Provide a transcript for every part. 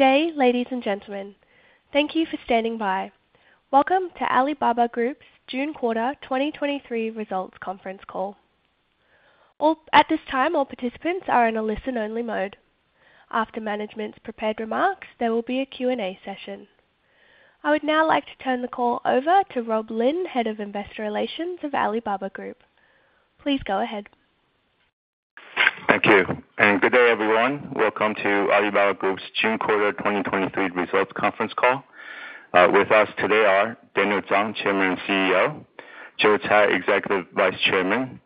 Good day, ladies and gentlemen. Thank you for standing by. Welcome to Alibaba Group's June Quarter 2023 Results Conference Call. At this time, all participants are in a listen-only mode. After management's prepared remarks, there will be a Q&A session. I would now like to turn the call over to Rob Lin, Head of Investor Relations of Alibaba Group. Please go ahead. Thank you, good day, everyone. Welcome to Alibaba Group's June quarter 2023 results conference call. With us today are Daniel Zhang, Chairman and CEO; Joe Tsai, Executive Vice Chairman;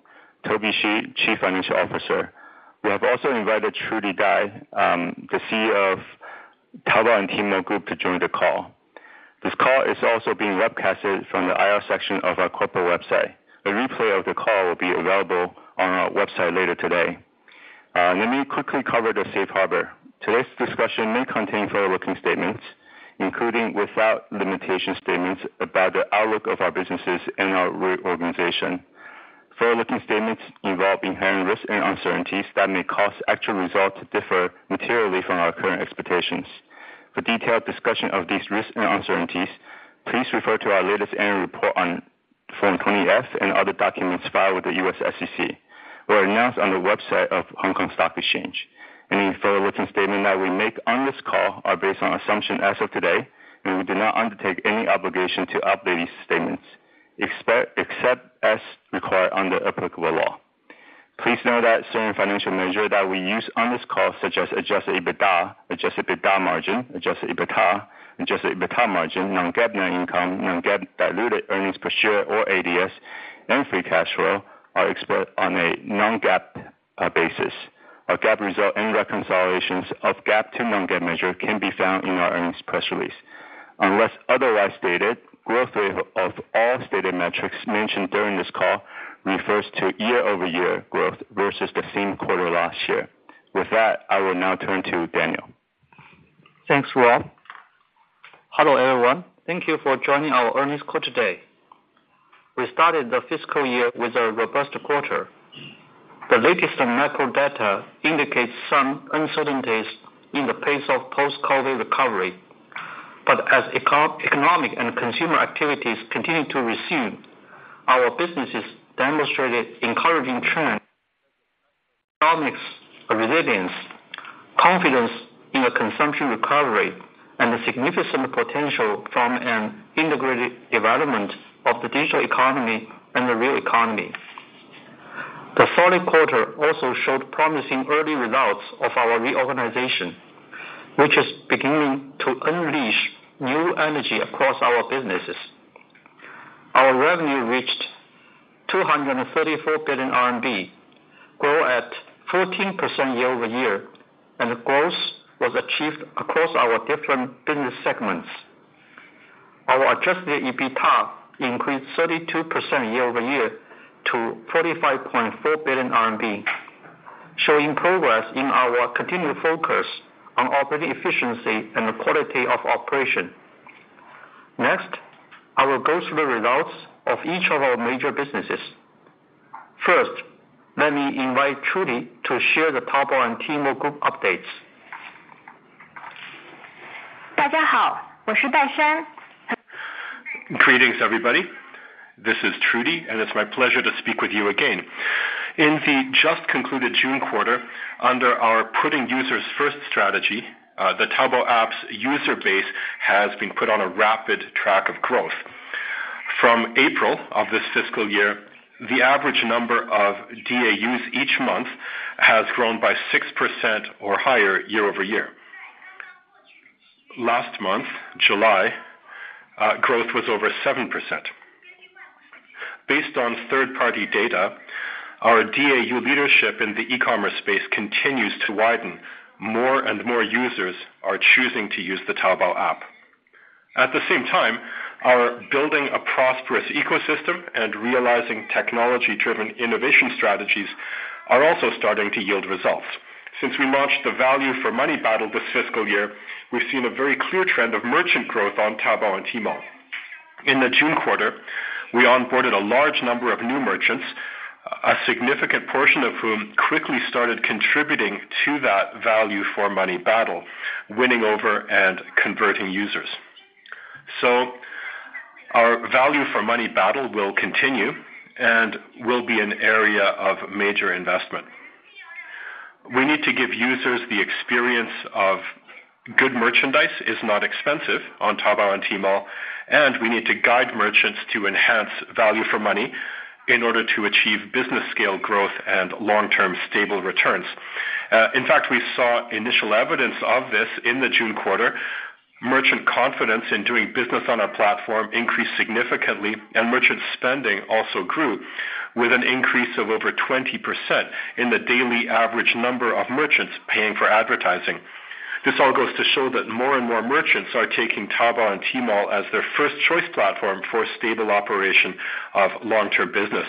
Toby Xu, Chief Financial Officer. We have also invited Trudy Dai, the CEO of Taobao and Tmall Group, to join the call. This call is also being webcasted from the IR section of our corporate website. A replay of the call will be available on our website later today. Let me quickly cover the safe harbor. Today's discussion may contain forward-looking statements, including, without limitation, statements about the outlook of our businesses and our reorganization. Forward-looking statements involve inherent risks and uncertainties that may cause actual results to differ materially from our current expectations. For detailed discussion of these risks and uncertainties, please refer to our latest annual report on Form 20-F and other documents filed with the U.S. SEC, or announced on the website of Hong Kong Stock Exchange. Any forward-looking statement that we make on this call are based on assumptions as of today. We do not undertake any obligation to update these statements, except as required under applicable law. Please note that certain financial measure that we use on this call, such as adjusted EBITDA, adjusted EBITDA margin, adjusted EBITDA, adjusted EBITDA margin, non-GAAP net income, non-GAAP diluted earnings per share or ADS, and free cash flow, are exposed on a non-GAAP basis. Our GAAP result and reconciliations of GAAP to non-GAAP measure can be found in our earnings press release. Unless otherwise stated, growth rate of all stated metrics mentioned during this call refers to year-over-year growth versus the same quarter last year. With that, I will now turn to Daniel. Thanks, Rob. Hello, everyone. Thank you for joining our earnings call today. We started the fiscal year with a robust quarter. The latest macro data indicates some uncertainties in the pace of post-COVID recovery. As economic and consumer activities continue to resume, our businesses demonstrated encouraging trends, economics resilience, confidence in the consumption recovery, and the significant potential from an integrated development of the digital economy and the real economy. The fourth quarter also showed promising early results of our reorganization, which is beginning to unleash new energy across our businesses. Our revenue reached 234 billion RMB, grow at 14% year-over-year, the growth was achieved across our different business segments. Our adjusted EBITDA increased 32% year-over-year to 45.4 billion RMB, showing progress in our continued focus on operating efficiency and the quality of operation. Next, I will go through the results of each of our major businesses. First, let me invite Trudy to share the Taobao and Tmall Group updates. Greetings, everybody. This is Trudy, and it's my pleasure to speak with you again. In the just concluded June quarter, under our Putting Users First strategy, the Taobao app's user base has been put on a rapid track of growth. From April of this fiscal year, the average number of DAUs each month has grown by 6% or higher year-over-year. Last month, July, growth was over 7%. Based on third-party data, our DAU leadership in the e-commerce space continues to widen. More and more users are choosing to use the Taobao app. At the same time, our building a prosperous ecosystem and realizing technology-driven innovation strategies are also starting to yield results. Since we launched the Value for Money Battle this fiscal year, we've seen a very clear trend of merchant growth on Taobao and Tmall. In the June quarter, we onboarded a large number of new merchants, a significant portion of whom quickly started contributing to that Value for Money Battle, winning over and converting users. Our Value for Money Battle will continue and will be an area of major investment. We need to give users the experience of good merchandise is not expensive on Taobao and Tmall, and we need to guide merchants to enhance value for money in order to achieve business scale growth and long-term stable returns. In fact, we saw initial evidence of this in the June quarter. Merchant confidence in doing business on our platform increased significantly, and merchant spending also grew with an increase of over 20% in the daily average number of merchants paying for advertising. This all goes to show that more and more merchants are taking Taobao and Tmall as their first choice platform for stable operation of long-term business.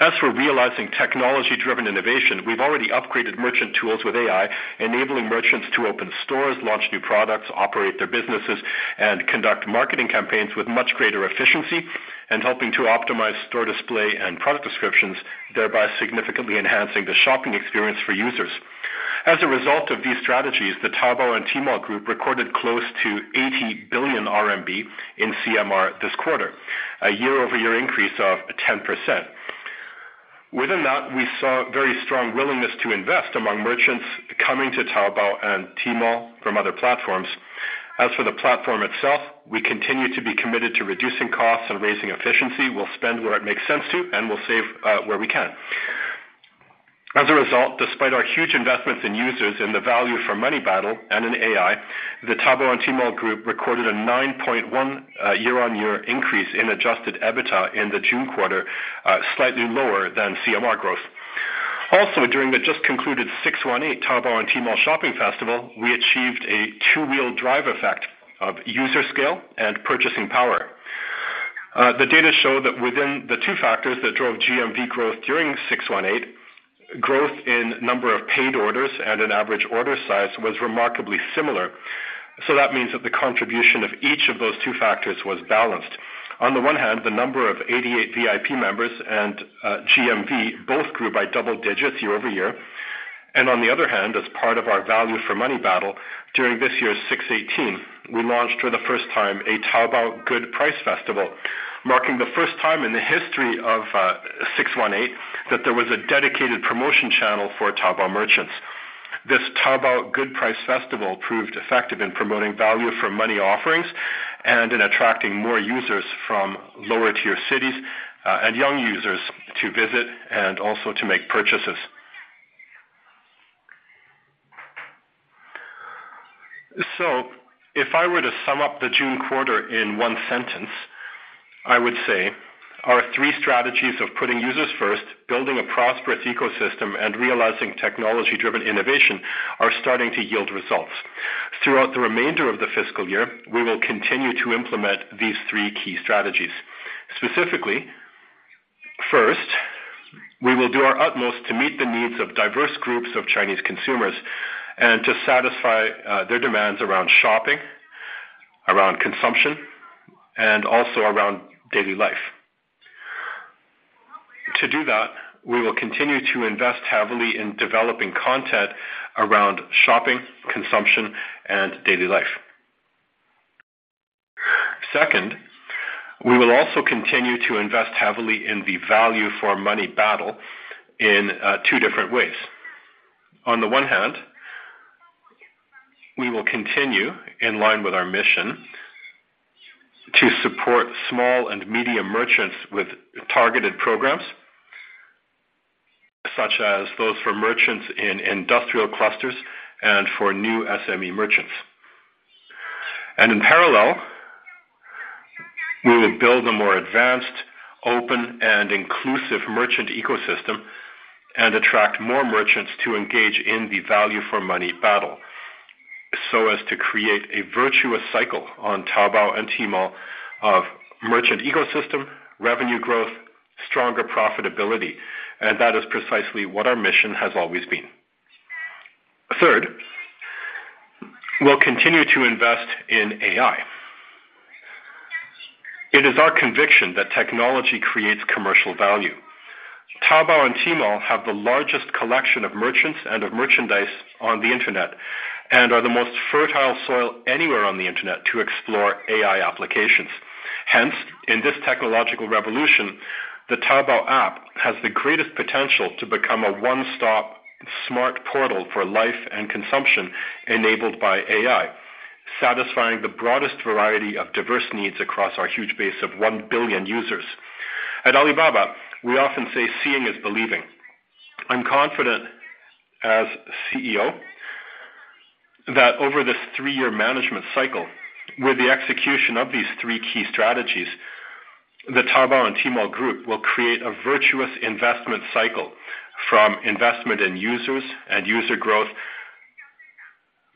As for realizing technology-driven innovation, we've already upgraded merchant tools with AI, enabling merchants to open stores, launch new products, operate their businesses, and conduct marketing campaigns with much greater efficiency and helping to optimize store display and product descriptions, thereby significantly enhancing the shopping experience for users. As a result of these strategies, the Taobao and Tmall Group recorded close to 80 billion RMB in CMR this quarter, a year-over-year increase of 10%. Within that, we saw very strong willingness to invest among merchants coming to Taobao and Tmall from other platforms. As for the platform itself, we continue to be committed to reducing costs and raising efficiency. We'll spend where it makes sense to, and we'll save where we can. As a result, despite our huge investments in users and the Value for Money Battle and in AI, the Taobao and Tmall Group recorded a 9.1 year-on-year increase in adjusted EBITDA in the June quarter, slightly lower than CMR growth. During the just concluded 618 Taobao and Tmall Shopping Festival, we achieved a two-wheel drive effect of user scale and purchasing power. The data show that within the two factors that drove GMV growth during 618, growth in number of paid orders and an average order size was remarkably similar. That means that the contribution of each of those two factors was balanced. On the one hand, the number of 88 VIP members and GMV both grew by double digits year-over-year. On the other hand, as part of our Value for Money Battle, during this year's 618, we launched for the first time a Taobao Good Price Festival, marking the first time in the history of 618, that there was a dedicated promotion channel for Taobao merchants. This Taobao Good Price Festival proved effective in promoting value for money offerings, and in attracting more users from lower-tier cities, and young users to visit and also to make purchases. If I were to sum up the June quarter in one sentence, I would say our three strategies of putting users first, building a prosperous ecosystem, and realizing technology-driven innovation, are starting to yield results. Throughout the remainder of the fiscal year, we will continue to implement these three key strategies. Specifically, first, we will do our utmost to meet the needs of diverse groups of Chinese consumers, and to satisfy, their demands around shopping, around consumption, and also around daily life. To do that, we will continue to invest heavily in developing content around shopping, consumption, and daily life. Second, we will also continue to invest heavily in the Value for Money Battle in, two different ways. On the one hand, we will continue in line with our mission to support small and medium merchants with targeted programs, such as those for merchants in industrial clusters and for new SME merchants. In parallel, we will build a more advanced, open, and inclusive merchant ecosystem and attract more merchants to engage in the Value for Money Battle, so as to create a virtuous cycle on Taobao and Tmall of merchant ecosystem, revenue growth, stronger profitability, and that is precisely what our mission has always been. Third, we'll continue to invest in AI. It is our conviction that technology creates commercial value. Taobao and Tmall have the largest collection of merchants and of merchandise on the internet, and are the most fertile soil anywhere on the internet to explore AI applications. Hence, in this technological revolution, the Taobao app has the greatest potential to become a one-stop smart portal for life and consumption enabled by AI, satisfying the broadest variety of diverse needs across our huge base of 1 billion users. At Alibaba, we often say, "Seeing is believing." I'm confident as CEO, that over this three-year management cycle, with the execution of these three key strategies, the Taobao and Tmall Group will create a virtuous investment cycle from investment in users and user growth,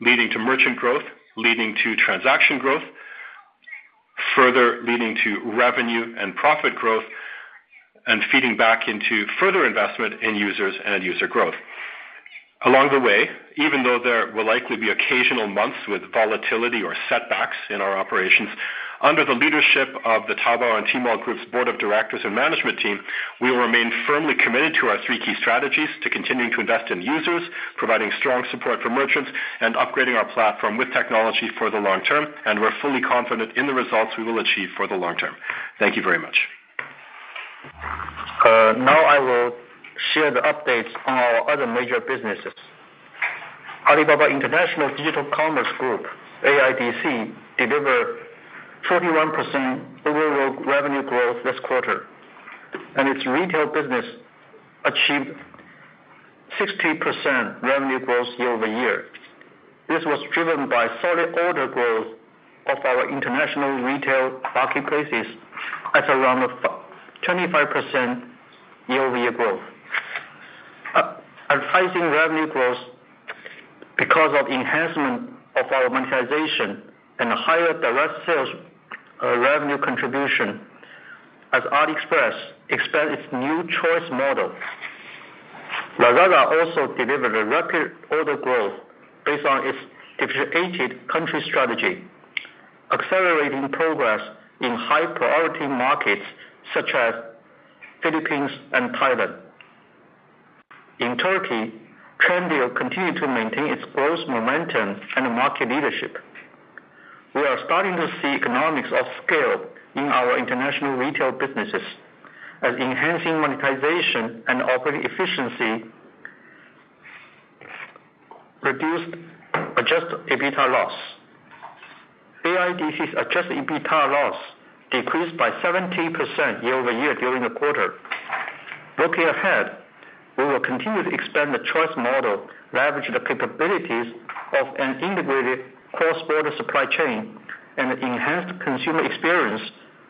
leading to merchant growth, leading to transaction growth, further leading to revenue and profit growth, and feeding back into further investment in users and user growth. Along the way, even though there will likely be occasional months with volatility or setbacks in our operations, under the leadership of the Taobao and Tmall Group's board of directors and management team, we will remain firmly committed to our three key strategies: to continuing to invest in users, providing strong support for merchants, and upgrading our platform with technology for the long term, and we're fully confident in the results we will achieve for the long term. Thank you very much. Now I will share the updates on our other major businesses. Alibaba International Digital Commerce Group, AIDC, delivered 41% overall revenue growth this quarter, and its retail business achieved 60% revenue growth year-over-year. This was driven by solid order growth of our international retail marketplaces at around 25% year-over-year growth. Advertising revenue growth because of enhancement of our monetization and higher direct sales revenue contribution as AliExpress expands its new Choice model. Lazada also delivered a record order growth based on its differentiated country strategy, accelerating progress in high priority markets, such as Philippines and Thailand. In Turkey, Trendyol continued to maintain its growth, momentum, and market leadership. We are starting to see economics of scale in our international retail businesses, as enhancing monetization and operating efficiency reduced adjusted EBITDA loss. AIDC's adjusted EBITDA loss decreased by 70% year-over-year during the quarter. Looking ahead, we will continue to expand the Choice model, leverage the capabilities of an integrated cross-border supply chain, and enhanced consumer experience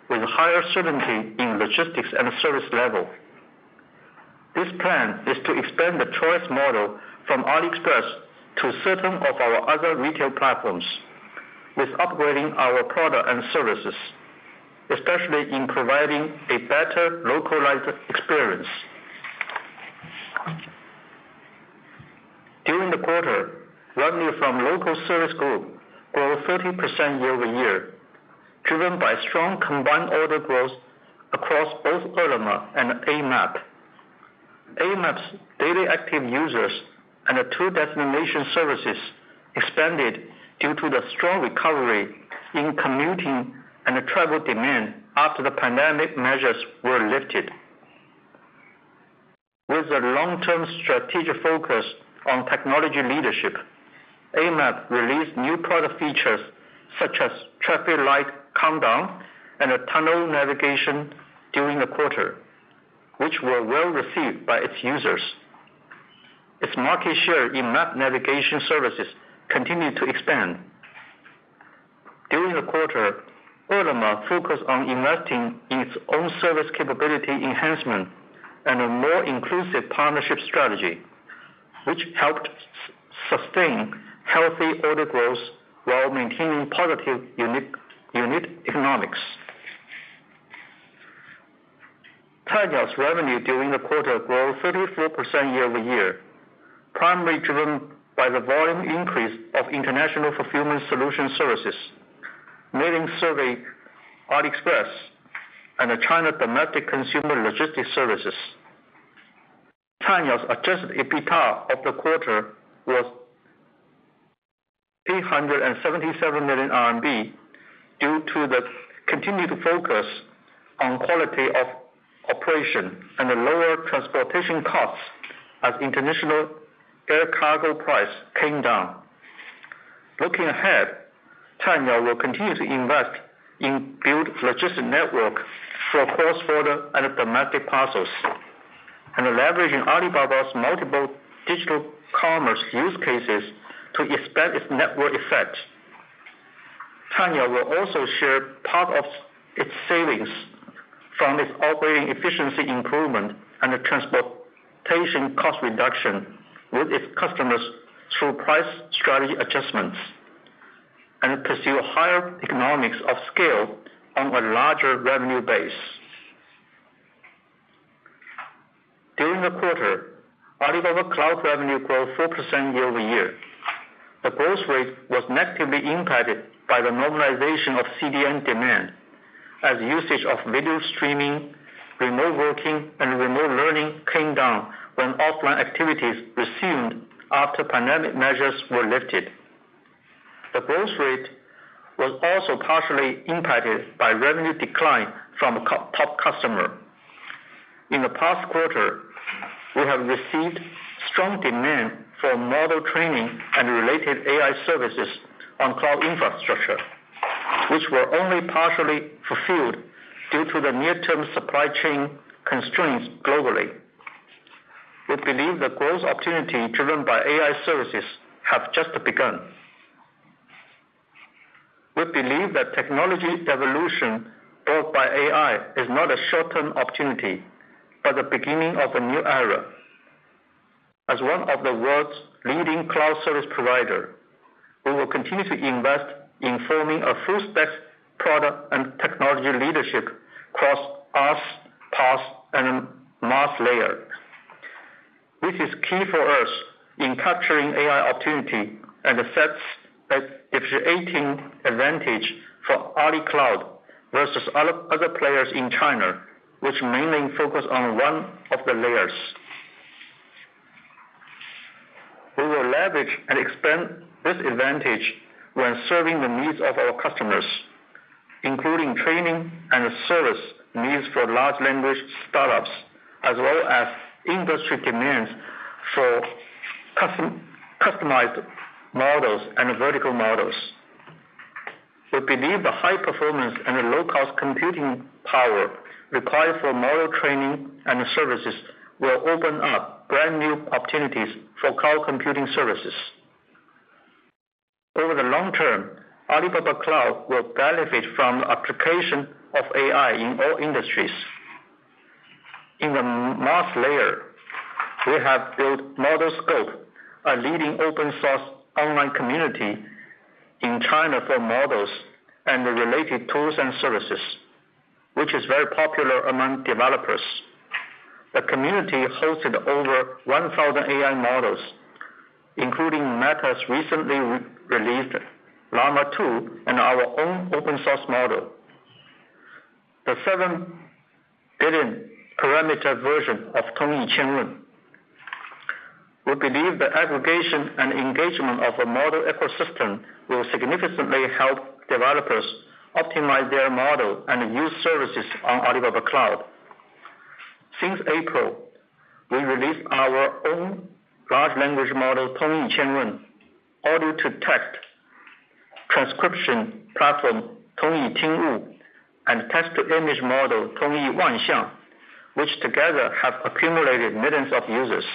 with higher certainty in logistics and service level. This plan is to expand the Choice model from AliExpress to certain of our other retail platforms, with upgrading our product and services, especially in providing a better localized experience. During the quarter, revenue from Local Services Group grew 30% year-over-year, driven by strong combined order growth across both Ele.me and Amap. Amap's daily active users and the two destination services expanded due to the strong recovery in commuting and travel demand after the pandemic measures were lifted. With a long-term strategic focus on technology leadership, Amap released new product features such as traffic light countdown and a tunnel navigation during the quarter, which were well received by its users. Its market share in map navigation services continued to expand. During the quarter, Ele.me focused on investing in its own service capability enhancement and a more inclusive partnership strategy, which helped sustain healthy order growth while maintaining positive unique, unit economics. Cainiao's revenue during the quarter grew 34% year-over-year, primarily driven by the volume increase of international fulfillment solution services, mailing survey, AliExpress, and the China domestic consumer logistics services. Cainiao's adjusted EBITDA of the quarter was 877 million RMB, due to the continued focus on quality of operation and the lower transportation costs as international air cargo price came down. Looking ahead, Cainiao will continue to invest in build logistic network for cross-border and domestic parcels, and leveraging Alibaba's multiple digital commerce use cases to expand its network effect. Cainiao will also share part of its savings from its operating efficiency improvement and the transportation cost reduction with its customers through price strategy adjustments, and pursue higher economics of scale on a larger revenue base. During the quarter, Alibaba Cloud revenue grew 4% year-over-year. The growth rate was negatively impacted by the normalization of CDN demand, as usage of video streaming, remote working, and remote learning came down when offline activities resumed after pandemic measures were lifted. The growth rate was also partially impacted by revenue decline from a top customer. In the past quarter, we have received strong demand for model training and related AI services on cloud infrastructure, which were only partially fulfilled due to the near-term supply chain constraints globally. We believe the growth opportunity driven by AI services have just begun. We believe that technology evolution brought by AI is not a short-term opportunity, but the beginning of a new era. As one of the world's leading cloud service provider, we will continue to invest in forming a full stack product and technology leadership across IaaS, PaaS, and MaaS layer. This is key for us in capturing AI opportunity and sets a differentiating advantage for Alibaba Cloud versus other players in China, which mainly focus on one of the layers. We will leverage and expand this advantage when serving the needs of our customers, including training and service needs for large language startups, as well as industry demands for customized models and vertical models. We believe the high performance and the low-cost computing power required for model training and services will open up brand new opportunities for cloud computing services. Over the long term, Alibaba Cloud will benefit from the application of AI in all industries. In the MaaS layer, we have built ModelScope, a leading open source online community in China for models and the related tools and services, which is very popular among developers. The community hosted over 1,000 AI models, including Meta's recently re-released Llama 2 and our own open source model. The 7 billion parameter version of Tongyi Qianwen. We believe the aggregation and engagement of a model ecosystem will significantly help developers optimize their model and use services on Alibaba Cloud. Since April, we released our own large language model, Tongyi Qianwen, audio to text transcription platform, Tongyi Tingwu, and text to image model, Tongyi Wanxiang, which together have accumulated millions of users.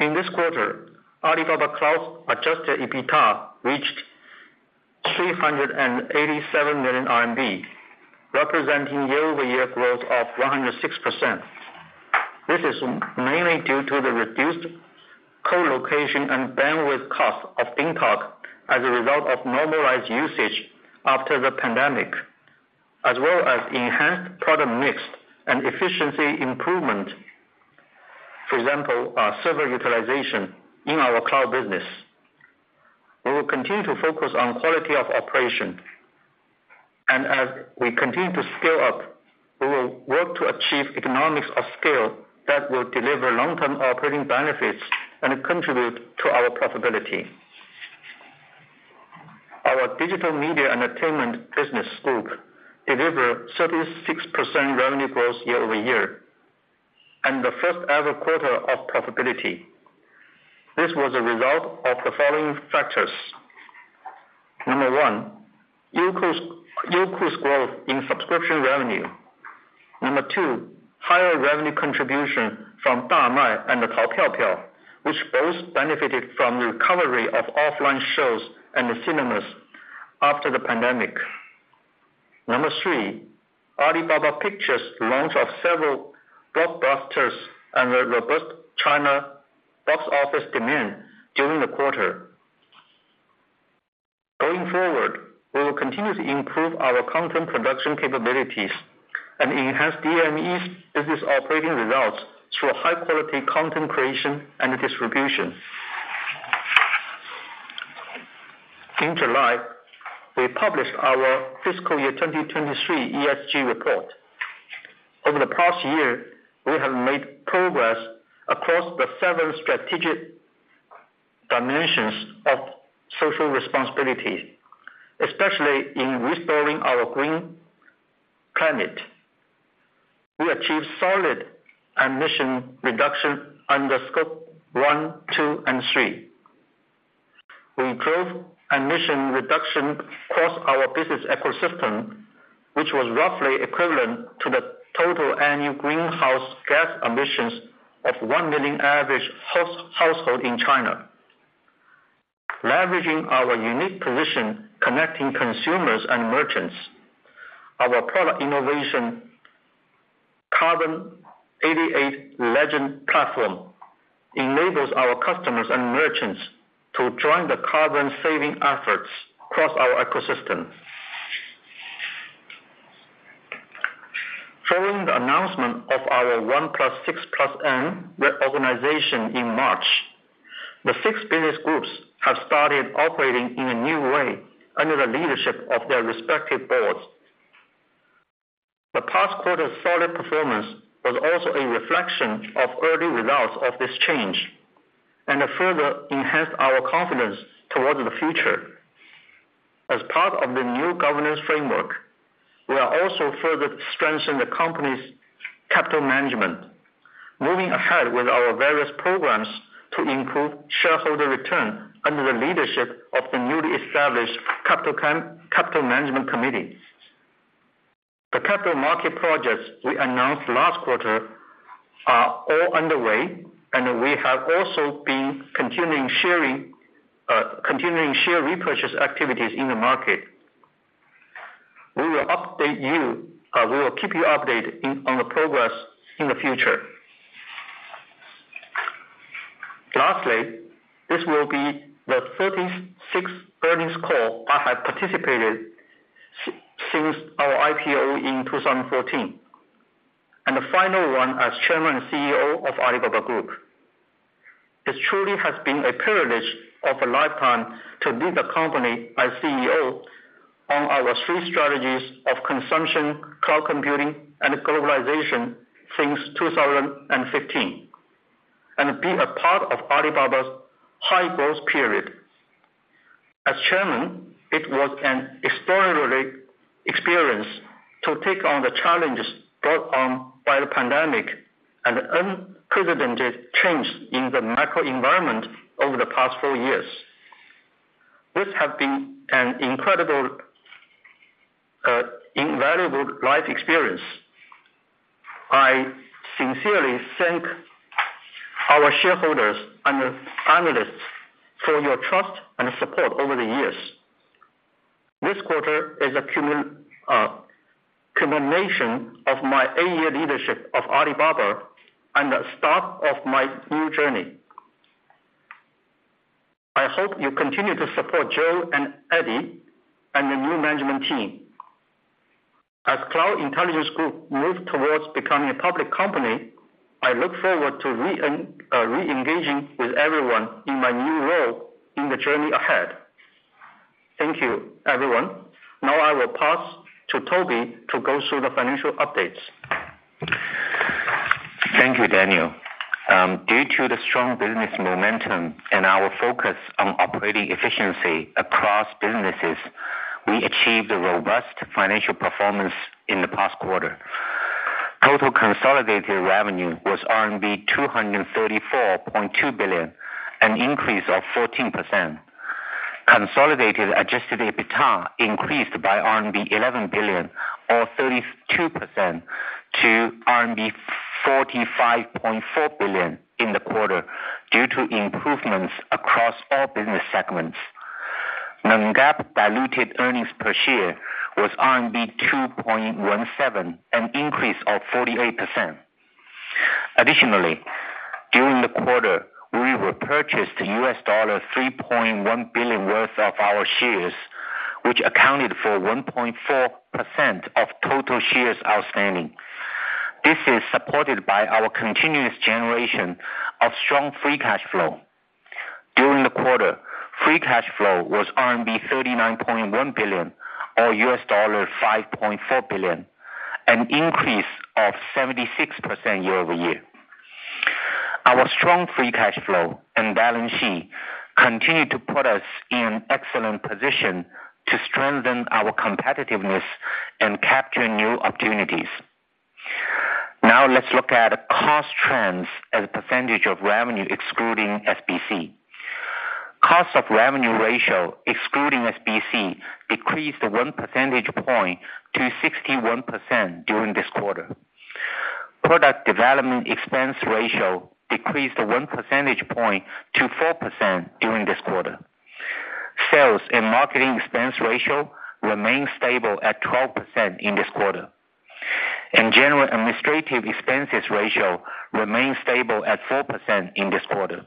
In this quarter, Alibaba Cloud's adjusted EBITDA reached 387 million RMB, representing year-over-year growth of 106%. This is mainly due to the reduced co-location and bandwidth costs of Pin Cock as a result of normalized usage after the pandemic, as well as enhanced product mix and efficiency improvement. For example, server utilization in our cloud business. We will continue to focus on quality of operation, and as we continue to scale up, we will work to achieve economics of scale that will deliver long-term operating benefits and contribute to our profitability. Our Digital Media Entertainment Business Group delivered 36% revenue growth year-over-year, and the first ever quarter of profitability. This was a result of the following factors: Number one, Youku's growth in subscription revenue. Number two, higher revenue contribution from Damai and Tao Piao Piao, which both benefited from the recovery of offline shows and the cinemas after the pandemic. Number three, Alibaba Pictures launched of several blockbusters and the robust China box office demand during the quarter. Going forward, we will continue to improve our content production capabilities and enhance DME's business operating results through high quality content creation and distribution. In July, we published our fiscal year 2023 ESG report. Over the past year, we have made progress across the seven strategic dimensions of social responsibility, especially in restoring our green climate. We achieved solid emission reduction under Scope 1, 2, and 3. We drove emission reduction across our business ecosystem, which was roughly equivalent to the total annual greenhouse gas emissions of 1 million average household in China. Leveraging our unique position, connecting consumers and merchants, our product innovation, Carbon 88 Ledger platform, enables our customers and merchants to join the carbon saving efforts across our ecosystem. Following the announcement of our 1+6+N reorganization in March, the six business groups have started operating in a new way under the leadership of their respective boards. The past quarter's solid performance was also a reflection of early results of this change, and it further enhanced our confidence towards the future. As part of the new governance framework, we are also further strengthening the company's capital management, moving ahead with our various programs to improve shareholder return under the leadership of the newly established Capital Management Committees. The capital market projects we announced last quarter are all underway, and we have also been continuing sharing, continuing share repurchase activities in the market. We will update you, we will keep you updated on the progress in the future. Lastly, this will be the 36th earnings call I have participated since our IPO in 2014, and the final one as Chairman and CEO of Alibaba Group. It truly has been a privilege of a lifetime to lead the company as CEO on our three strategies of consumption, cloud computing, and globalization since 2015, and be a part of Alibaba's high growth period. As Chairman, it was an extraordinary experience to take on the challenges brought on by the pandemic and unprecedented change in the macro environment over the past four years. This has been an incredible, invaluable life experience. I sincerely thank our shareholders and analysts for your trust and support over the years. This quarter is a culmination of my eight-year leadership of Alibaba and the start of my new journey. You continue to support Joe and Eddie Wu and the new management team. As Cloud Intelligence Group moves towards becoming a public company, I look forward to reengaging with everyone in my new role in the journey ahead. Thank you, everyone. Now I will pass to Toby to go through the financial updates. Thank you, Daniel. Due to the strong business momentum and our focus on operating efficiency across businesses, we achieved a robust financial performance in the past quarter. Total consolidated revenue was RMB 234.2 billion, an increase of 14%. Consolidated adjusted EBITDA increased by RMB 11 billion, or 32% to RMB 45.4 billion in the quarter, due to improvements across all business segments. Non-GAAP diluted earnings per share was RMB 2.17, an increase of 48%. Additionally, during the quarter, we repurchased $3.1 billion worth of our shares, which accounted for 1.4% of total shares outstanding. This is supported by our continuous generation of strong free cash flow. During the quarter, free cash flow was RMB 39.1 billion, or $5.4 billion, an increase of 76% year-over-year. Our strong free cash flow and balance sheet continue to put us in excellent position to strengthen our competitiveness and capture new opportunities. Let's look at cost trends as a percentage of revenue, excluding SBC. Cost of revenue ratio, excluding SBC, decreased 1 percentage point to 61% during this quarter. Product development expense ratio decreased 1 percentage point to 4% during this quarter. Sales and marketing expense ratio remained stable at 12% in this quarter, and general administrative expenses ratio remained stable at 4% in this quarter.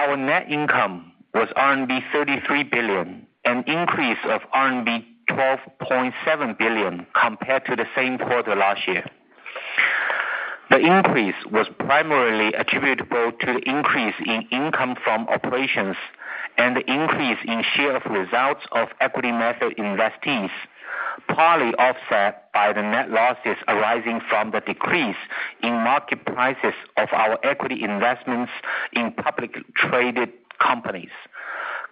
Our net income was RMB 33 billion, an increase of RMB 12.7 billion compared to the same quarter last year. The increase was primarily attributable to the increase in income from operations and the increase in share of results of equity method investees, partly offset by the net losses arising from the decrease in market prices of our equity investments in public traded companies,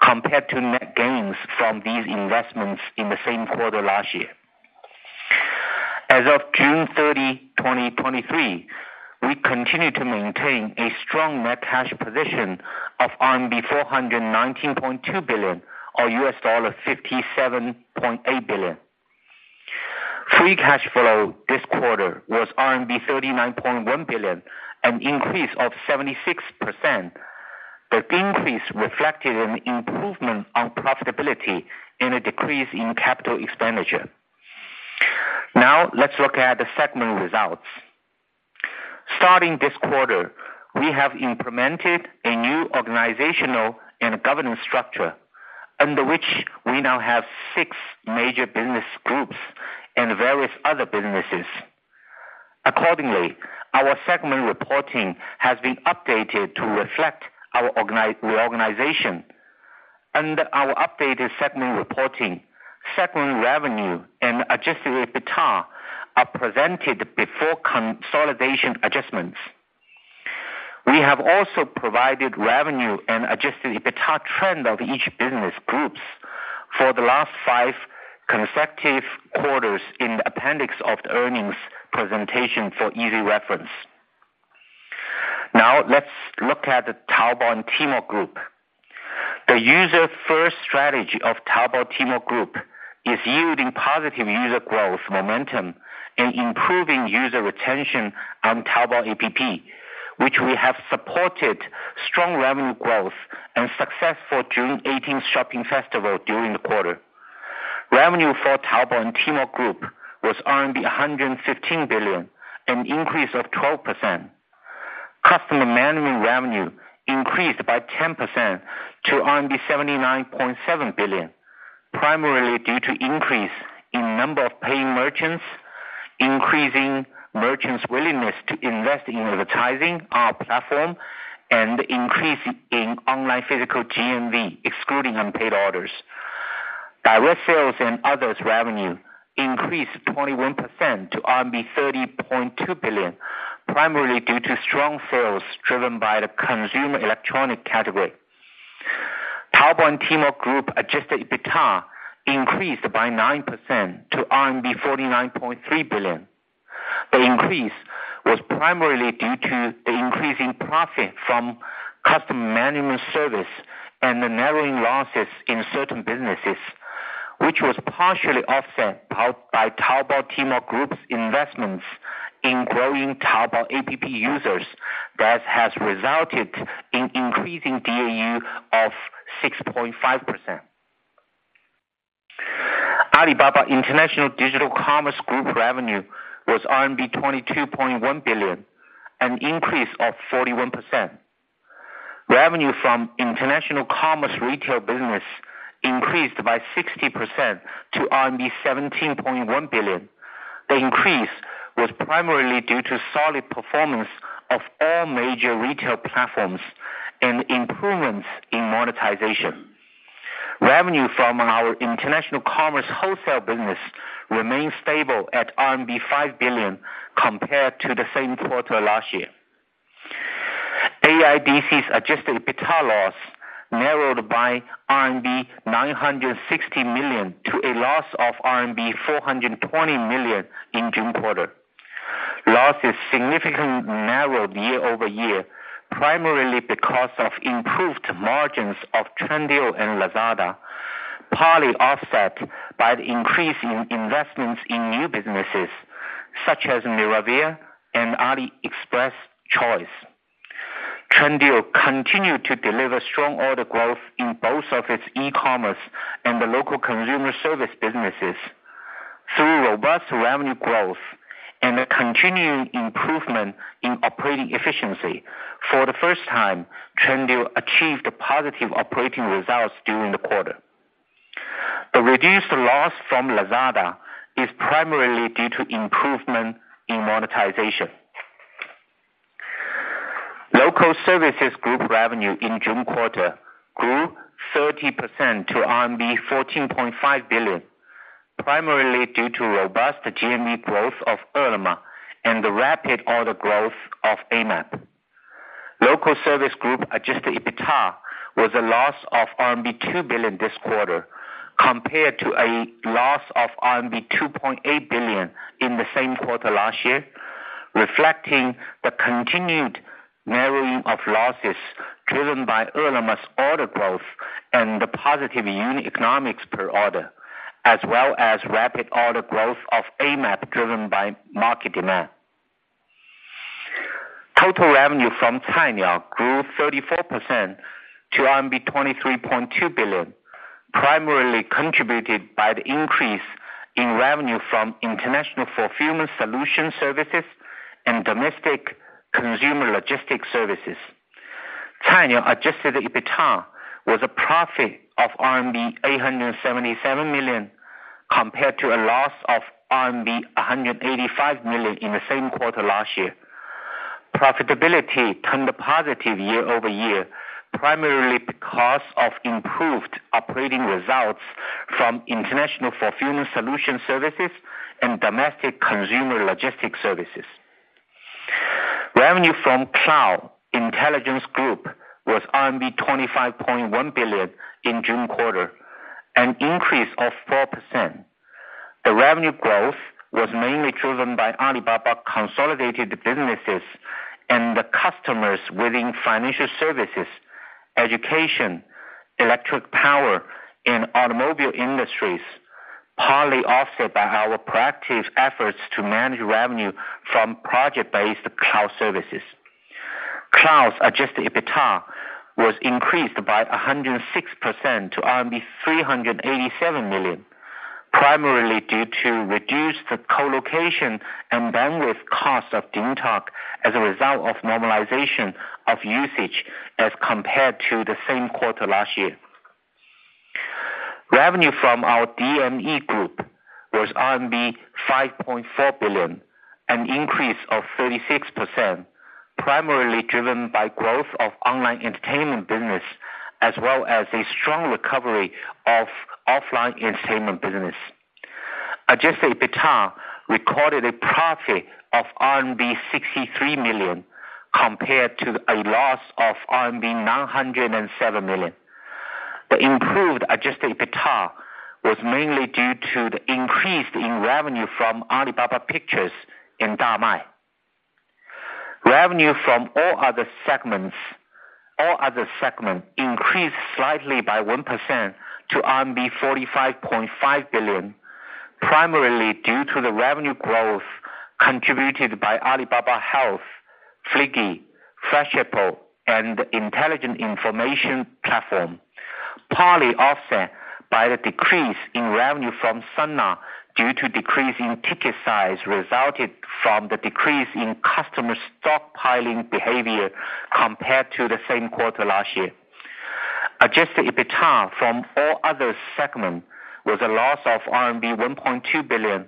compared to net gains from these investments in the same quarter last year. As of June 30, 2023, we continue to maintain a strong net cash position of RMB 419.2 billion, or $57.8 billion. Free cash flow this quarter was RMB 39.1 billion, an increase of 76%. The increase reflected an improvement on profitability and a decrease in capital expenditure. Now, let's look at the segment results. Starting this quarter, we have implemented a new organizational and governance structure, under which we now have six major business groups and various other businesses. Accordingly, our segment reporting has been updated to reflect our reorganization. Under our updated segment reporting, segment revenue and adjusted EBITDA are presented before consolidation adjustments. We have also provided revenue and adjusted EBITDA trend of each business groups for the last five consecutive quarters in the appendix of the earnings presentation for easy reference. Now, let's look at the Taobao and Tmall Group. The user first strategy of Taobao and Tmall Group is yielding positive user growth, momentum, and improving user retention on Taobao APP, which we have supported strong revenue growth and successful June 18th Shopping Festival during the quarter. Revenue for Taobao and Tmall Group was 115 billion, an increase of 12%. Customer management revenue increased by 10% to RMB 79.7 billion, primarily due to increase in number of paying merchants, increasing merchants' willingness to invest in advertising our platform, and increase in online physical GMV, excluding unpaid orders. Direct sales and others revenue increased 21% to RMB 30.2 billion, primarily due to strong sales driven by the consumer electronic category. Taobao and Tmall Group adjusted EBITDA increased by 9% to RMB 49.3 billion. The increase was primarily due to the increase in profit from customer management service and the narrowing losses in certain businesses, which was partially offset by Taobao and Tmall Group's investments in growing Taobao APP users that has resulted in increasing DAU of 6.5%. Alibaba International Digital Commerce Group revenue was RMB 22.1 billion, an increase of 41%. Revenue from international commerce retail business increased by 60% to RMB 17.1 billion. The increase was primarily due to solid performance of all major retail platforms and improvements in monetization. Revenue from our international commerce wholesale business remained stable at RMB 5 billion compared to the same quarter last year. AIDC's adjusted EBITDA loss narrowed by RMB 960 million to a loss of RMB 420 million in June quarter. Losses significantly narrowed year-over-year, primarily because of improved margins of Trendyol and Lazada, partly offset by the increase in investments in new businesses such as Miravia and AliExpress Choice. Trendyol continued to deliver strong order growth in both of its e-commerce and the local consumer service businesses. Through robust revenue growth and a continuing improvement in operating efficiency, for the first time, Trendyol achieved positive operating results during the quarter. The reduced loss from Lazada is primarily due to improvement in monetization. Local Services Group revenue in June quarter grew 30% to RMB 14.5 billion, primarily due to robust GMV growth of Ele.me and the rapid order growth of Amap. Local Services Group adjusted EBITDA was a loss of RMB 2 billion this quarter, compared to a loss of RMB 2.8 billion in the same quarter last year, reflecting the continued narrowing of losses driven by Ele.me's order growth and the positive unit economics per order, as well as rapid order growth of Amap, driven by market demand. Total revenue from Cainiao grew 34% to RMB 23.2 billion, primarily contributed by the increase in revenue from international fulfillment solution services and domestic consumer logistics services. Cainiao adjusted EBITDA was a profit of RMB 877 million, compared to a loss of RMB 185 million in the same quarter last year. Profitability turned positive year-over-year, primarily because of improved operating results from international fulfillment solution services and domestic consumer logistics services. Revenue from Cloud Intelligence Group was RMB 25.1 billion in June quarter, an increase of 4%. The revenue growth was mainly driven by Alibaba consolidated businesses and the customers within financial services, education, electric power, and automobile industries, partly offset by our proactive efforts to manage revenue from project-based cloud services. Cloud's adjusted EBITDA was increased by 106% to RMB 387 million, primarily due to reduced co-location and bandwidth costs of DingTalk as a result of normalization of usage as compared to the same quarter last year. Revenue from our DME Group was RMB 5.4 billion, an increase of 36%, primarily driven by growth of online entertainment business, as well as a strong recovery of offline entertainment business. Adjusted EBITDA recorded a profit of RMB 63 million, compared to a loss of RMB 907 million. The improved adjusted EBITDA was mainly due to the increase in revenue from Alibaba Pictures in Damai. Revenue from all other segments, all other segments increased slightly by 1% to RMB 45.5 billion, primarily due to the revenue growth contributed by Alibaba Health, Fliggy, Freshippo, and Intelligent Information Platform, partly offset by the decrease in revenue from Sun Art due to decrease in ticket size, resulted from the decrease in customer stockpiling behavior compared to the same quarter last year. Adjusted EBITDA from all other segments was a loss of RMB 1.2 billion,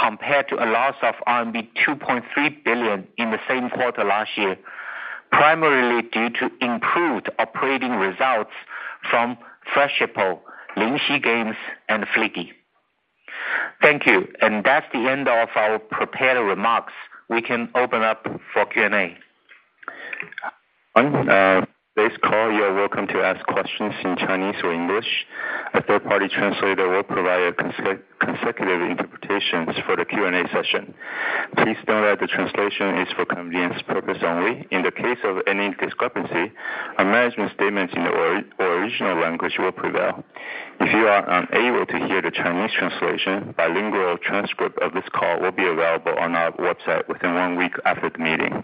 compared to a loss of RMB 2.3 billion in the same quarter last year, primarily due to improved operating results from Freshippo, Lingxi Games, and Fliggy. Thank you, and that's the end of our prepared remarks. We can open up for Q&A. On this call, you are welcome to ask questions in Chinese or English. A third-party translator will provide consecutive interpretations for the Q&A session. Please note that the translation is for convenience purpose only. In the case of any discrepancy, our management statements in the original language will prevail. If you are unable to hear the Chinese translation, bilingual transcript of this call will be available on our website within one week after the meeting.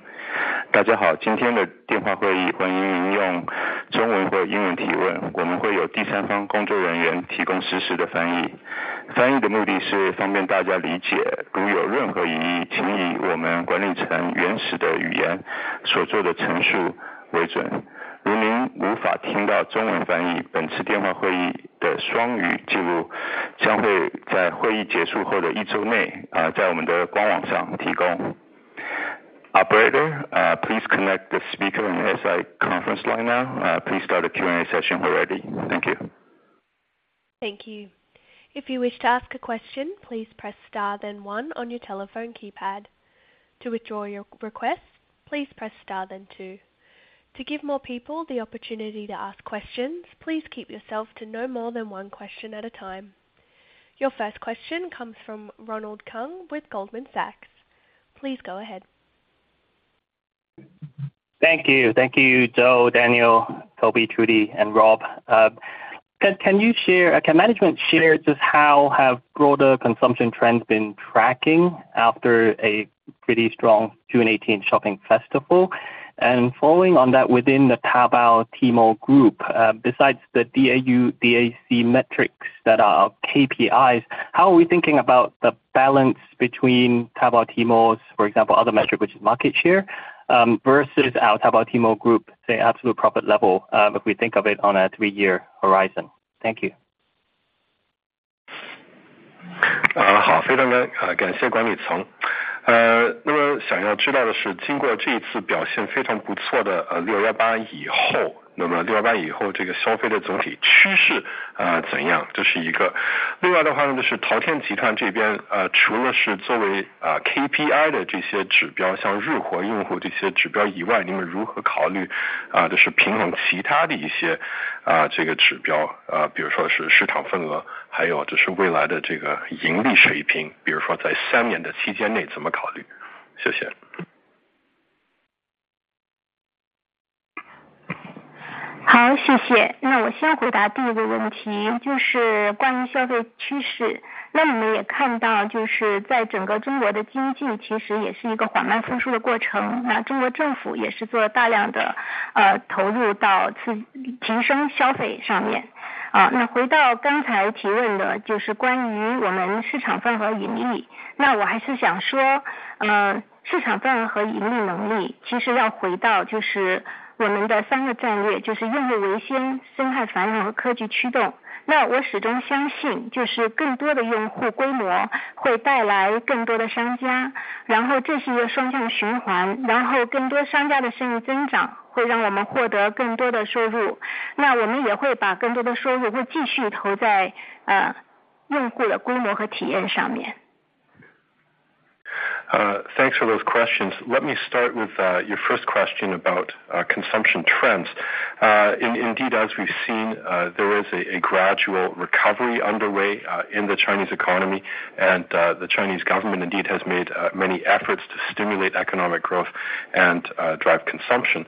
Operator, please connect the speaker and conference line now, please start the Q&A session already. Thank you. Thank you. If you wish to ask a question, please press star then one on your telephone keypad, to withdraw your request, please press star then two. To give more people the opportunity to ask questions, please keep yourself to no more than 1 question at a time. Your first question comes from Ronald Keung with Goldman Sachs. Please go ahead. Thank you, thank you Joe, Daniel, Toby, Trudy and Rob. Can management share just how have broader consumption trends been tracking after a pretty strong 618 shopping festival? Following on that within the Taobao and Tmall Group, besides the DAU, DAC metrics that are KPIs, how are we thinking about the balance between Taobao and Tmalls, for example, other metric, which is market share, versus our Taobao and Tmall Group, the absolute profit level, if we think of it on a three-year horizon? Thank you. Thanks for those questions. Let me start with your first question about consumption trends. Indeed, as we've seen, there is a gradual recovery underway in the Chinese economy, and the Chinese government indeed has made many efforts to stimulate economic growth and drive consumption.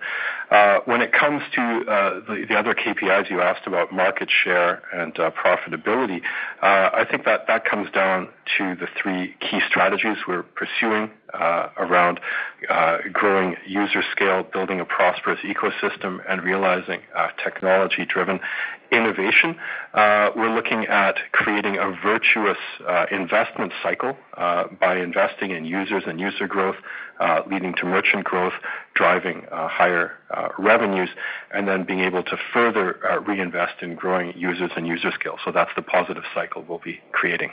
When it comes to the other KPIs you asked about market share and profitability, I think that, that comes down to the three key strategies we're pursuing around growing user scale, building a prosperous ecosystem, and realizing technology driven innovation. We're looking at creating a virtuous investment cycle by investing in users and user growth, leading to merchant growth, driving higher revenues, and then being able to further reinvest in growing users and user scale. That's the positive cycle we'll be creating.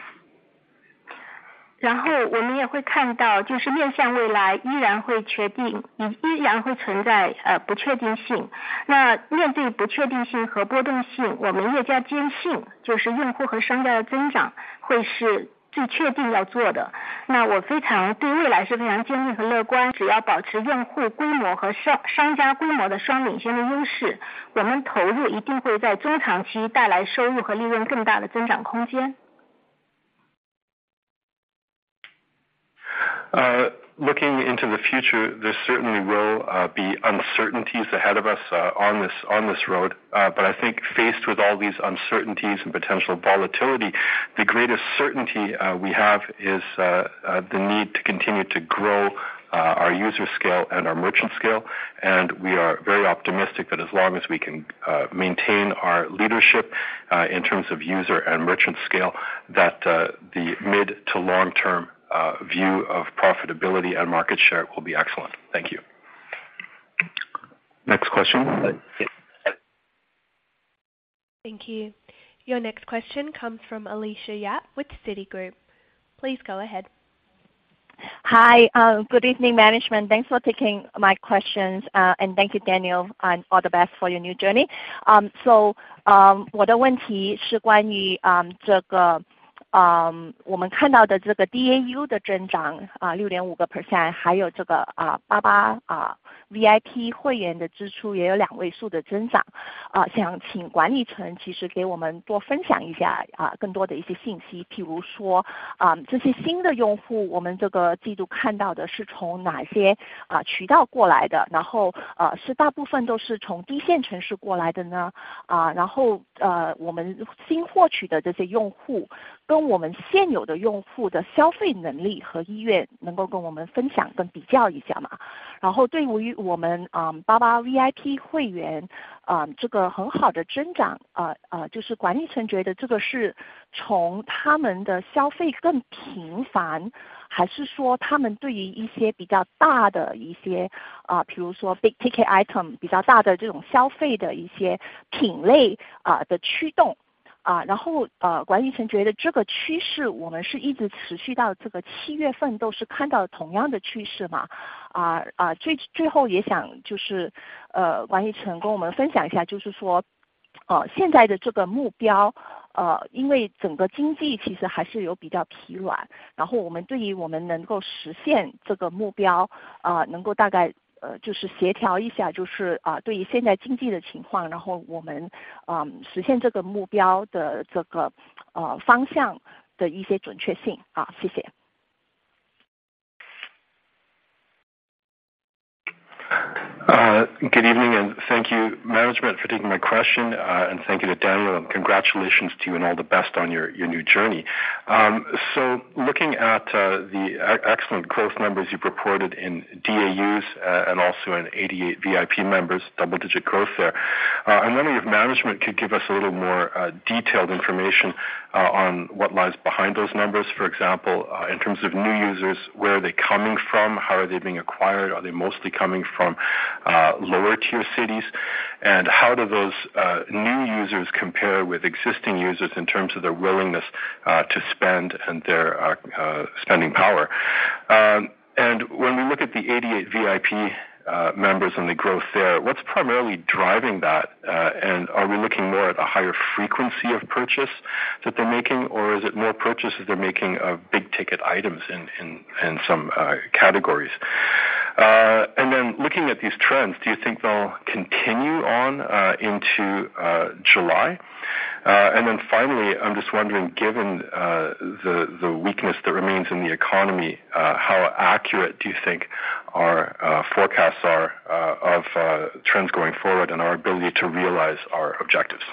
Looking into the future, there certainly will be uncertainties ahead of us on this, on this road. I think faced with all these uncertainties and potential volatility, the greatest certainty we have is the need to continue to grow our user scale and our merchant scale. We are very optimistic that as long as we can maintain our leadership in terms of user and merchant scale, that the mid to long term view of profitability and market share will be excellent. Thank you. Next question? Thank you. Your next question comes from Alicia Yap with Citigroup. Please go ahead. Hi, good evening, management. Thanks for taking my questions, and thank you Daniel, and all the best for your new journey! Good evening and thank you management for taking my question, and thank you to Daniel, and congratulations to you and all the best on your, your new journey. Looking at the excellent growth numbers you reported in DAUs, and also in 88 VIP members, double-digit growth there. I wonder if management could give us a little more detailed information on what lies behind those numbers? For example, in terms of new users, where are they coming from? How are they being acquired? Are they mostly coming from lower tier cities? How do those new users compare with existing users in terms of their willingness to spend and their spending power? When we look at the 88 VIP members and the growth there, what's primarily driving that? Are we looking more at a higher frequency of purchase that they're making, or is it more purchases they're making of big ticket items in some categories? Looking at these trends, do you think they'll continue on into July? Finally, I'm just wondering, given the weakness that remains in the economy, how accurate do you think our forecasts are of trends going forward and our ability to realize our objectives?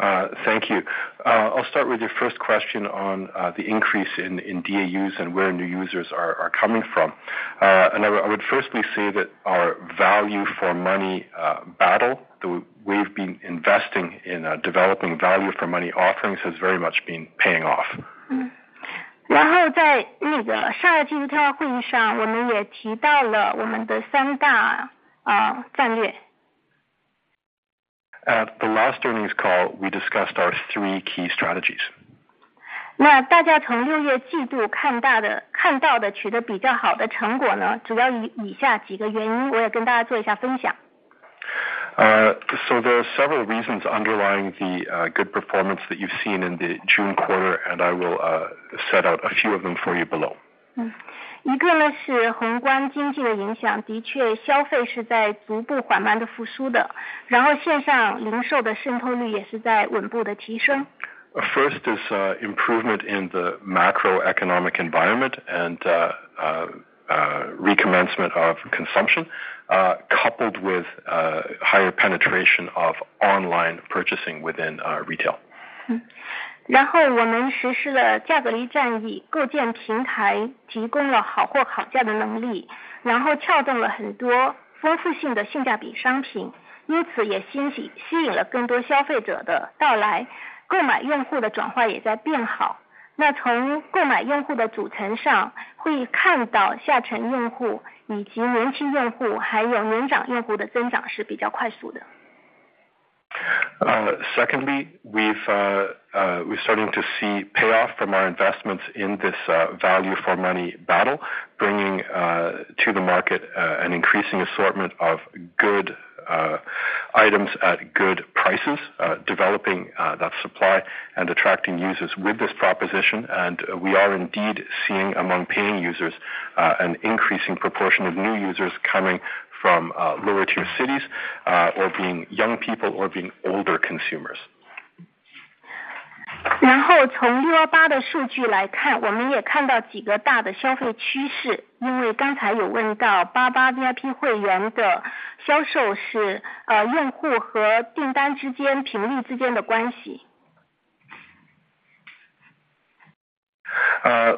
Thank you. I'll start with your first question on the increase in DAUs and where new users are coming from. I would firstly say that our Value for Money Battle, the way we've been investing in developing value for money offerings, has very much been paying off. At the last earnings call, we discussed our three key strategies. There are several reasons underlying the good performance that you've seen in the June quarter, and I will set out a few of them for you below. First, is, improvement in the macroeconomic environment and, recommencement of consumption, coupled with, higher penetration of online purchasing within, retail. Secondly, we've, we're starting to see payoff from our investments in this Value for Money Battle, bringing to the market an increasing assortment of good items at good prices. Developing that supply and attracting users with this proposition. We are indeed seeing among paying users an increasing proportion of new users coming from lower tier cities, or being young people, or being older consumers.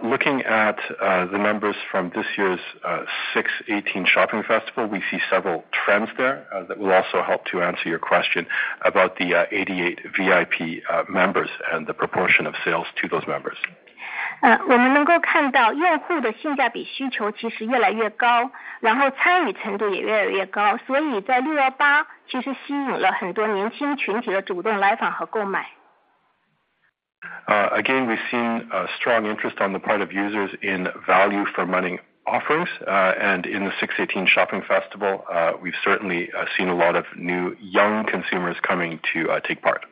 Looking at the members from this year's 618 Shopping Festival, we see several trends there that will also help to answer your question about the 88 VIP members and the proportion of sales to those members. Again, we've seen a strong interest on the part of users in value for money offers, and in the 618 Shopping Festival, we've certainly seen a lot of new young consumers coming to take part.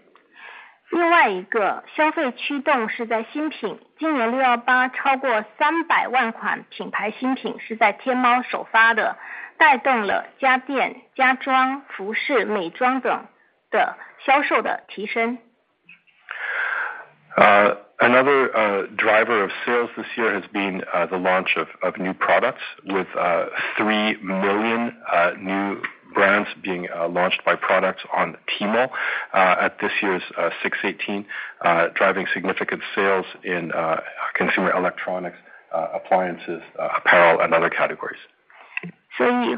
Another driver of sales this year has been the launch of new products with 3 million new brands being launched by products on Tmall at this year's 618. Driving significant sales in consumer electronics, appliances, apparel and other categories. Coming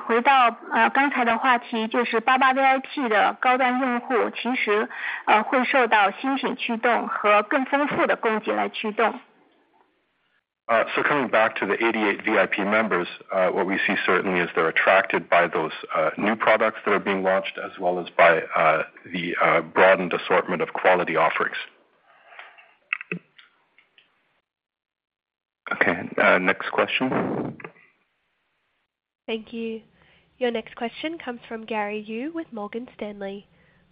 back to the 88 VIP members, what we see certainly is they're attracted by those new products that are being launched, as well as by the broadened assortment of quality offerings. Okay. Next question? Thank you. Your next question comes from Gary Yu with Morgan Stanley.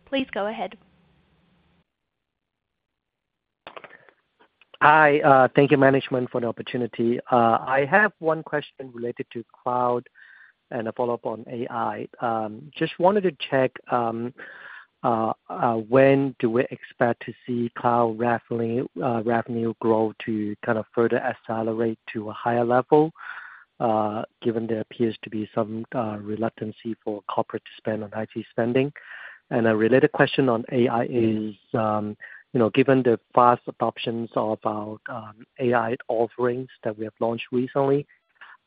Please go ahead. Hi! Thank you, management, for the opportunity. I have one question related to cloud and a follow-up on AI. Just wanted to check, when do we expect to see cloud revenue grow to kind of further accelerate to a higher level, given there appears to be some reluctance for corporate to spend on IT spending? A related question on AI is, you know, given the fast adoptions of our AI offerings that we have launched recently,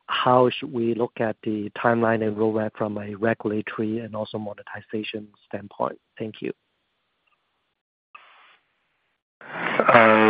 how should we look at the timeline and roadmap from a regulatory and also monetization standpoint? Thank you. Yeah,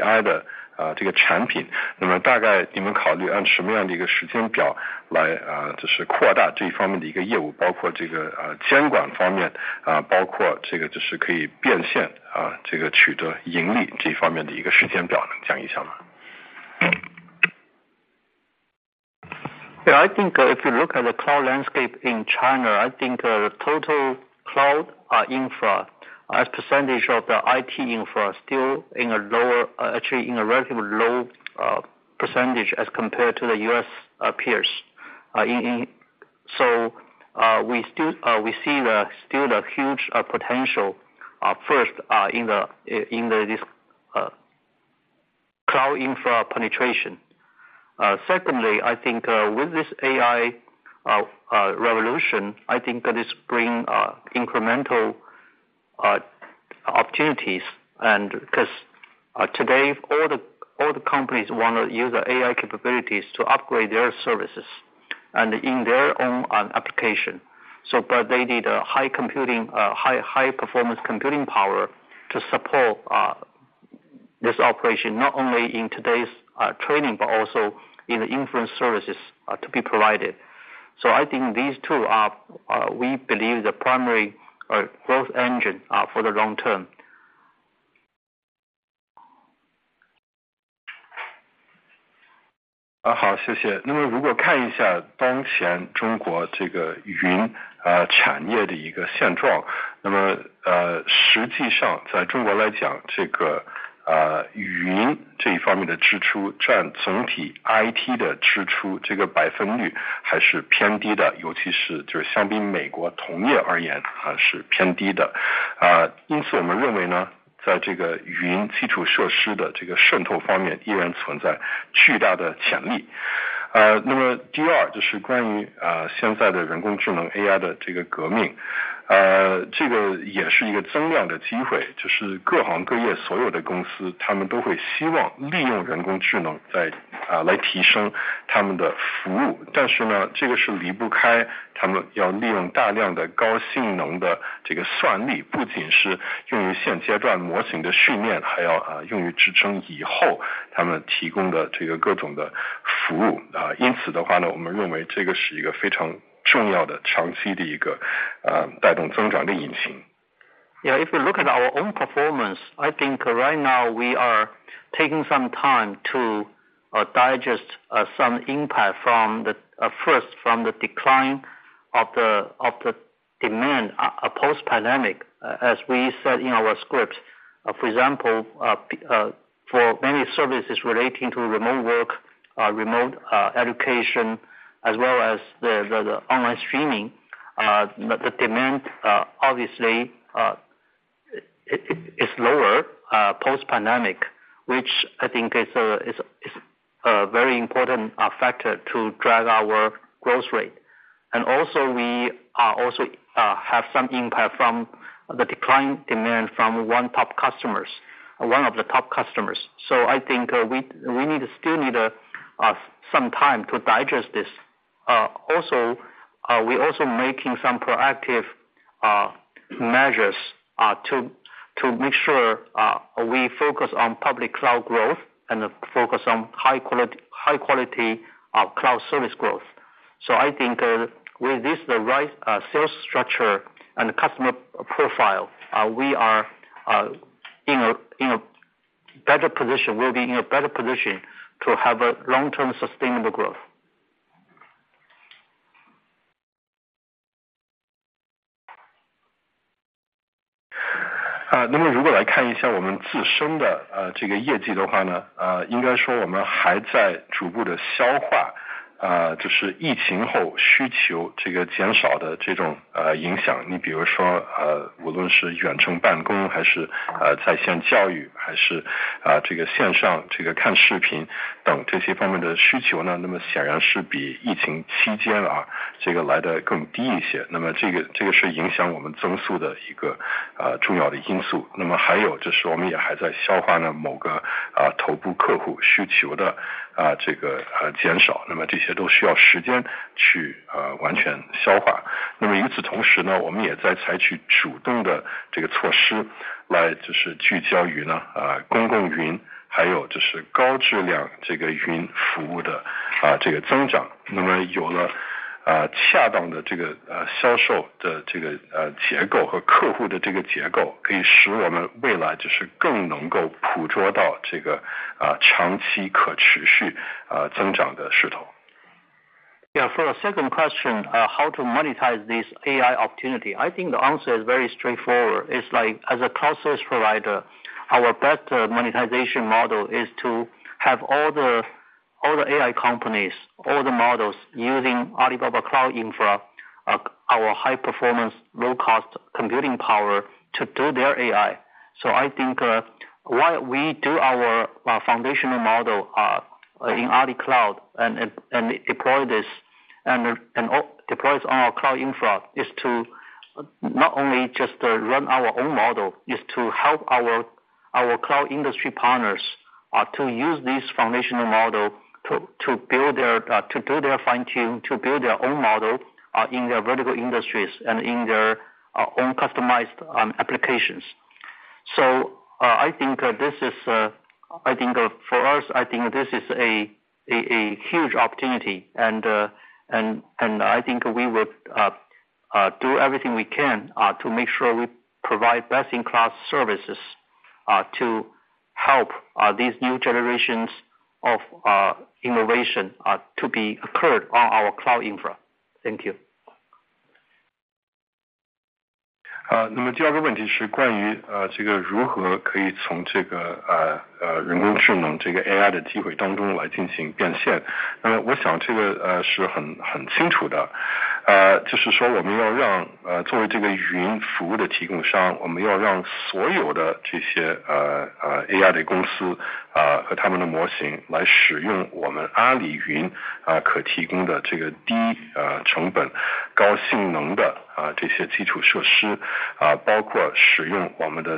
I think if you look at the cloud landscape in China, I think the total cloud infra as percentage of the IT infra is still in a lower-- actually in a relatively low percentage as compared to the U.S. peers. we still, we see the still the huge potential first in the in the this cloud infra penetration. Secondly, I think, with this AI revolution, I think that is bring incremental opportunities. 'cause, today, all the, all the companies want to use the AI capabilities to upgrade their services and in their own application. they need a high computing, high, high performance computing power to support this operation, not only in today's training, but also in the inference services to be provided. I think these two are, we believe, the primary growth engine for the long term. Yeah, if you look at our own performance, I think right now we are taking some time to digest some impact from the first, from the decline of the, of the demand post-pandemic, as we said in our script. For example, for many services relating to remote work, remote education, as well as the online streaming, the demand, obviously, it is lower post-pandemic, which I think is a very important factor to drive our growth rate. We are also have some impact from the declining demand from one of the top customers. I think, we need to still need some time to digest this. Also, we also making some proactive measures to make sure we focus on public cloud growth and focus on high quality, high quality cloud service growth. I think with this, the right sales structure and customer profile, we are in a better position, will be in a better position to have a long-term sustainable growth. Yeah, for the second question, how to monetize this AI opportunity? I think the answer is very straightforward. It's like as a cloud service provider, our best monetization model is to have all the, all the AI companies, all the models using Alibaba Cloud Infra, our high-performance, low-cost computing power to do their AI. So I think, while we do our foundational model, in Alibaba Cloud and, and deploy this, and, and deploy on our cloud infra is to not only just run our own model, is to help our, our cloud industry partners, to use this foundational model to, to build their-- to do their fine-tune, to build their own model, in their vertical industries and in their own customized applications. I think this is, I think for us, I think this is a, a huge opportunity. I think we would do everything we can to make sure we provide best-in-class services to help these new generations of innovation to be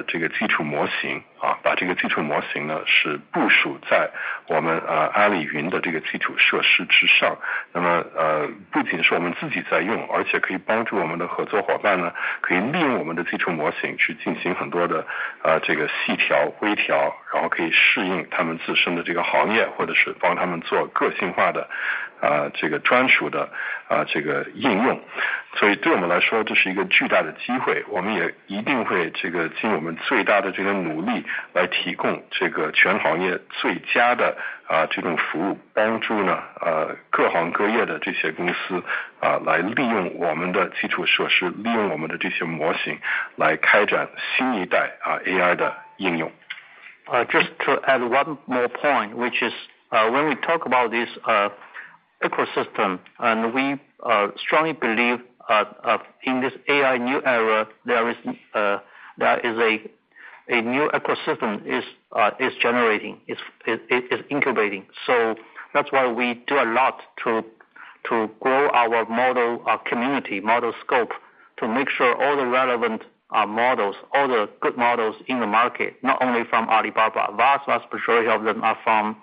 occurred on our cloud infra. Thank you. Just to add one more point, which is, when we talk about this ecosystem, and we strongly believe in this AI new era, there is a, there is a, a new ecosystem is generating, is, it is incubating. That's why we do a lot to, to grow our model community, ModelScope, to make sure all the relevant models, all the good models in the market, not only from Alibaba, vast, vast majority of them are from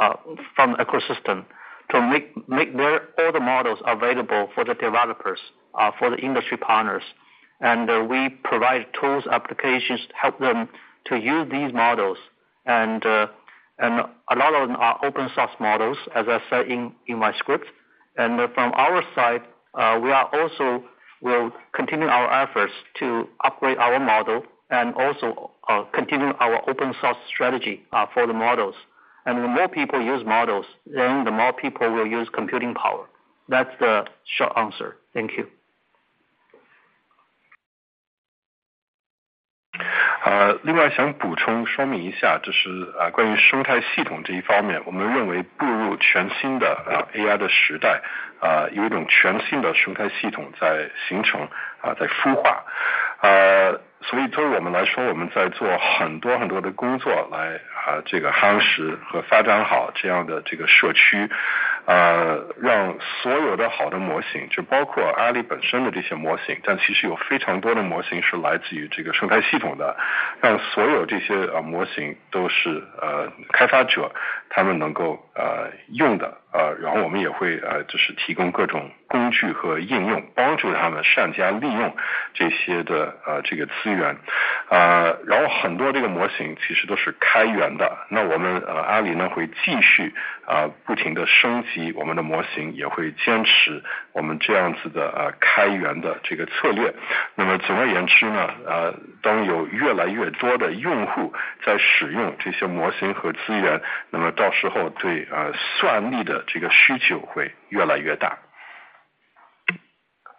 ecosystem to make, make their all the models available for the developers, for the industry partners. We provide tools, applications to help them to use these models. A lot of them are open source models, as I said in my script. From our side, we are also will continue our efforts to upgrade our model and also, continue our open source strategy for the models. The more people use models, then the more people will use computing power. That's the short answer. Thank you.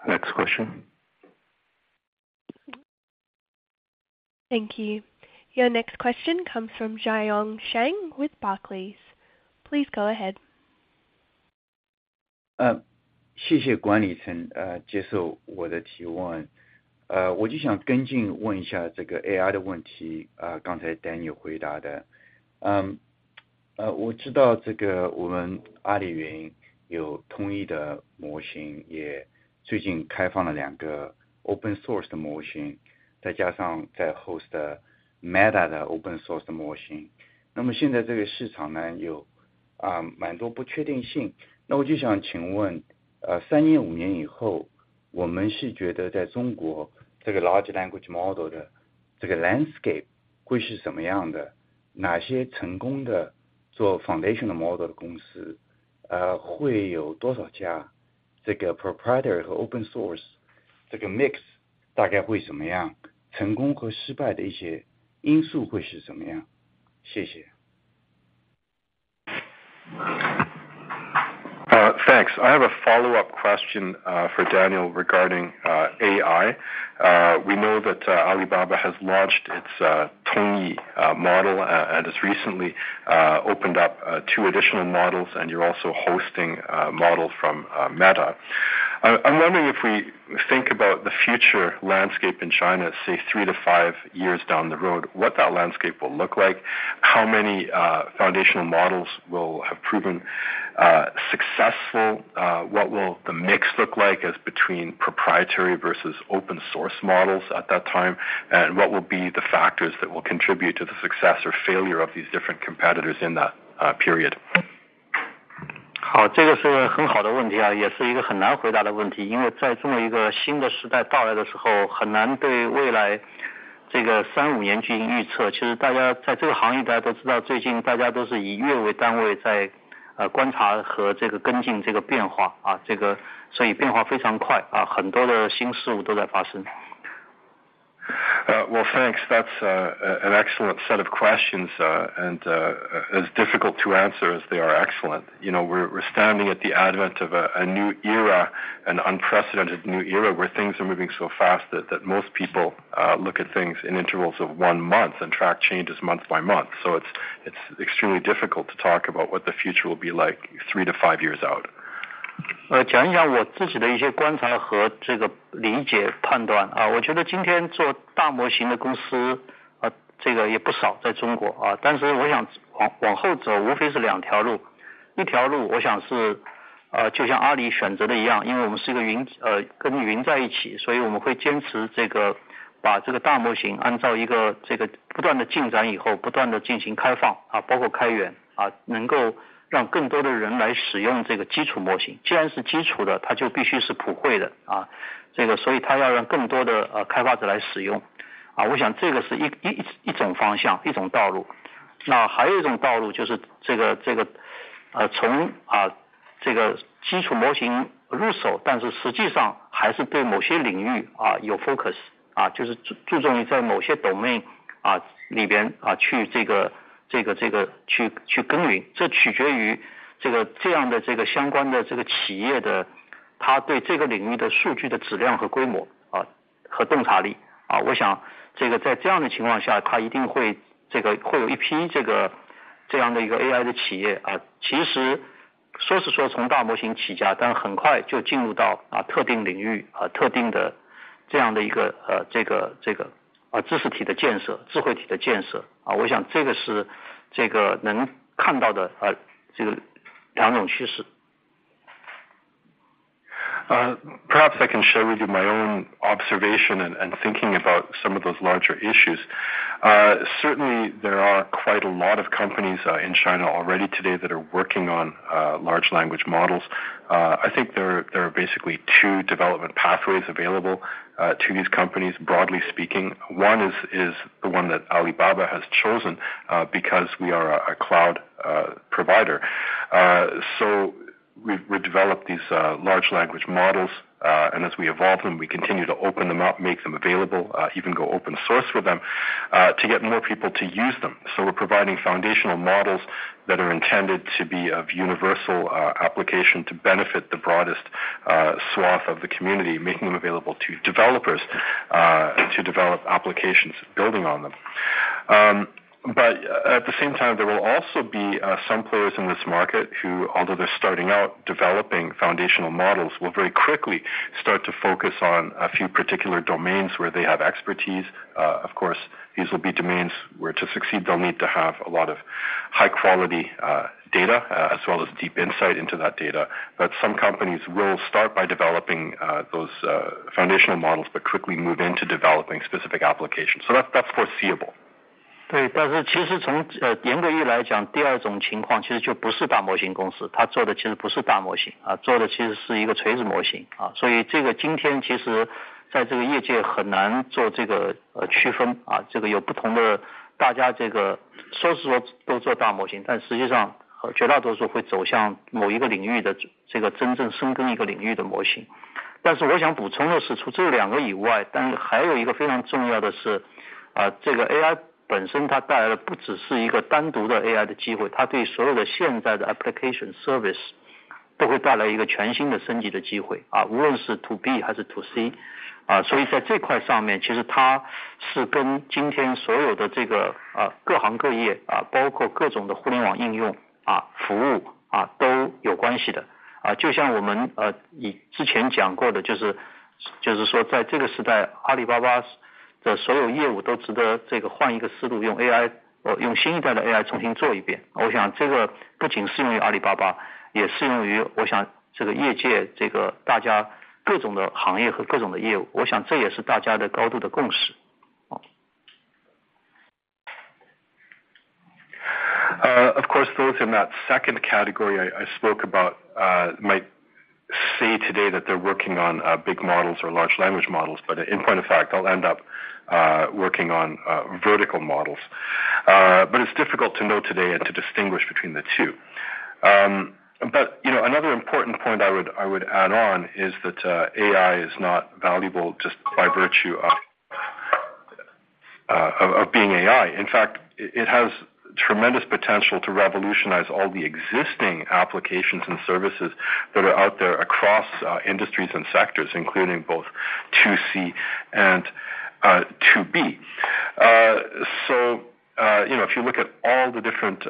Next question. Thank you. Your next question comes from Jiong Shao with Barclays. Please go ahead. Thanks! I have a follow-up question for Daniel regarding AI. We know that Alibaba has launched its Tongyi model, and has recently opened up two additional models, and you're also hosting a model from Meta. I, I'm wondering if we think about the future landscape in China, say, three to four years down the road, what that landscape will look like? How many foundational models will have proven successful? What will the mix look like as between proprietary versus open source models at that time? What will be the factors that will contribute to the success or failure of these different competitors in that period? Well, thanks! That's an excellent set of questions, and as difficult to answer as they are excellent. You know, we're standing at the advent of a new era, an unprecedented new era, where things are moving so fast that, that most people look at things in intervals of 1 month and track changes month by month. It's extremely difficult to talk about what the future will be like three-five years out. Perhaps I can share with you my own observation and, and thinking about some of those larger issues. Certainly there are quite a lot of companies in China already today that are working on large language models. I think there are, there are basically two development pathways available to these companies broadly speaking. One is, is the one that Alibaba has chosen, because we are a, a cloud provider. We've, we've developed these large language models, and as we evolve them, we continue to open them up, make them available, even go open source with them, to get more people to use them. We're providing foundational models that are intended to be of universal application to benefit the broadest swath of the community, making them available to developers to develop applications building on them. At the same time, there will also be some players in this market who, although they're starting out developing foundational models, will very quickly start to focus on a few particular domains where they have expertise. Of course, these will be domains where to succeed, they'll need to have a lot of high quality data, as well as deep insight into that data. Some companies will start by developing those foundational models, but quickly move into developing specific applications. That's, that's foreseeable. Of course, those in that second category I spoke about, might say today that they're working on big models or large language models, but in point of fact, they'll end up working on vertical models. It's difficult to know today and to distinguish between the two. You know, another important point I would, I would add on is that AI is not valuable just by virtue of being AI. In fact, it has tremendous potential to revolutionize all the existing applications and services that are out there across industries and sectors, including both To C and To B. You know, if you look at all the different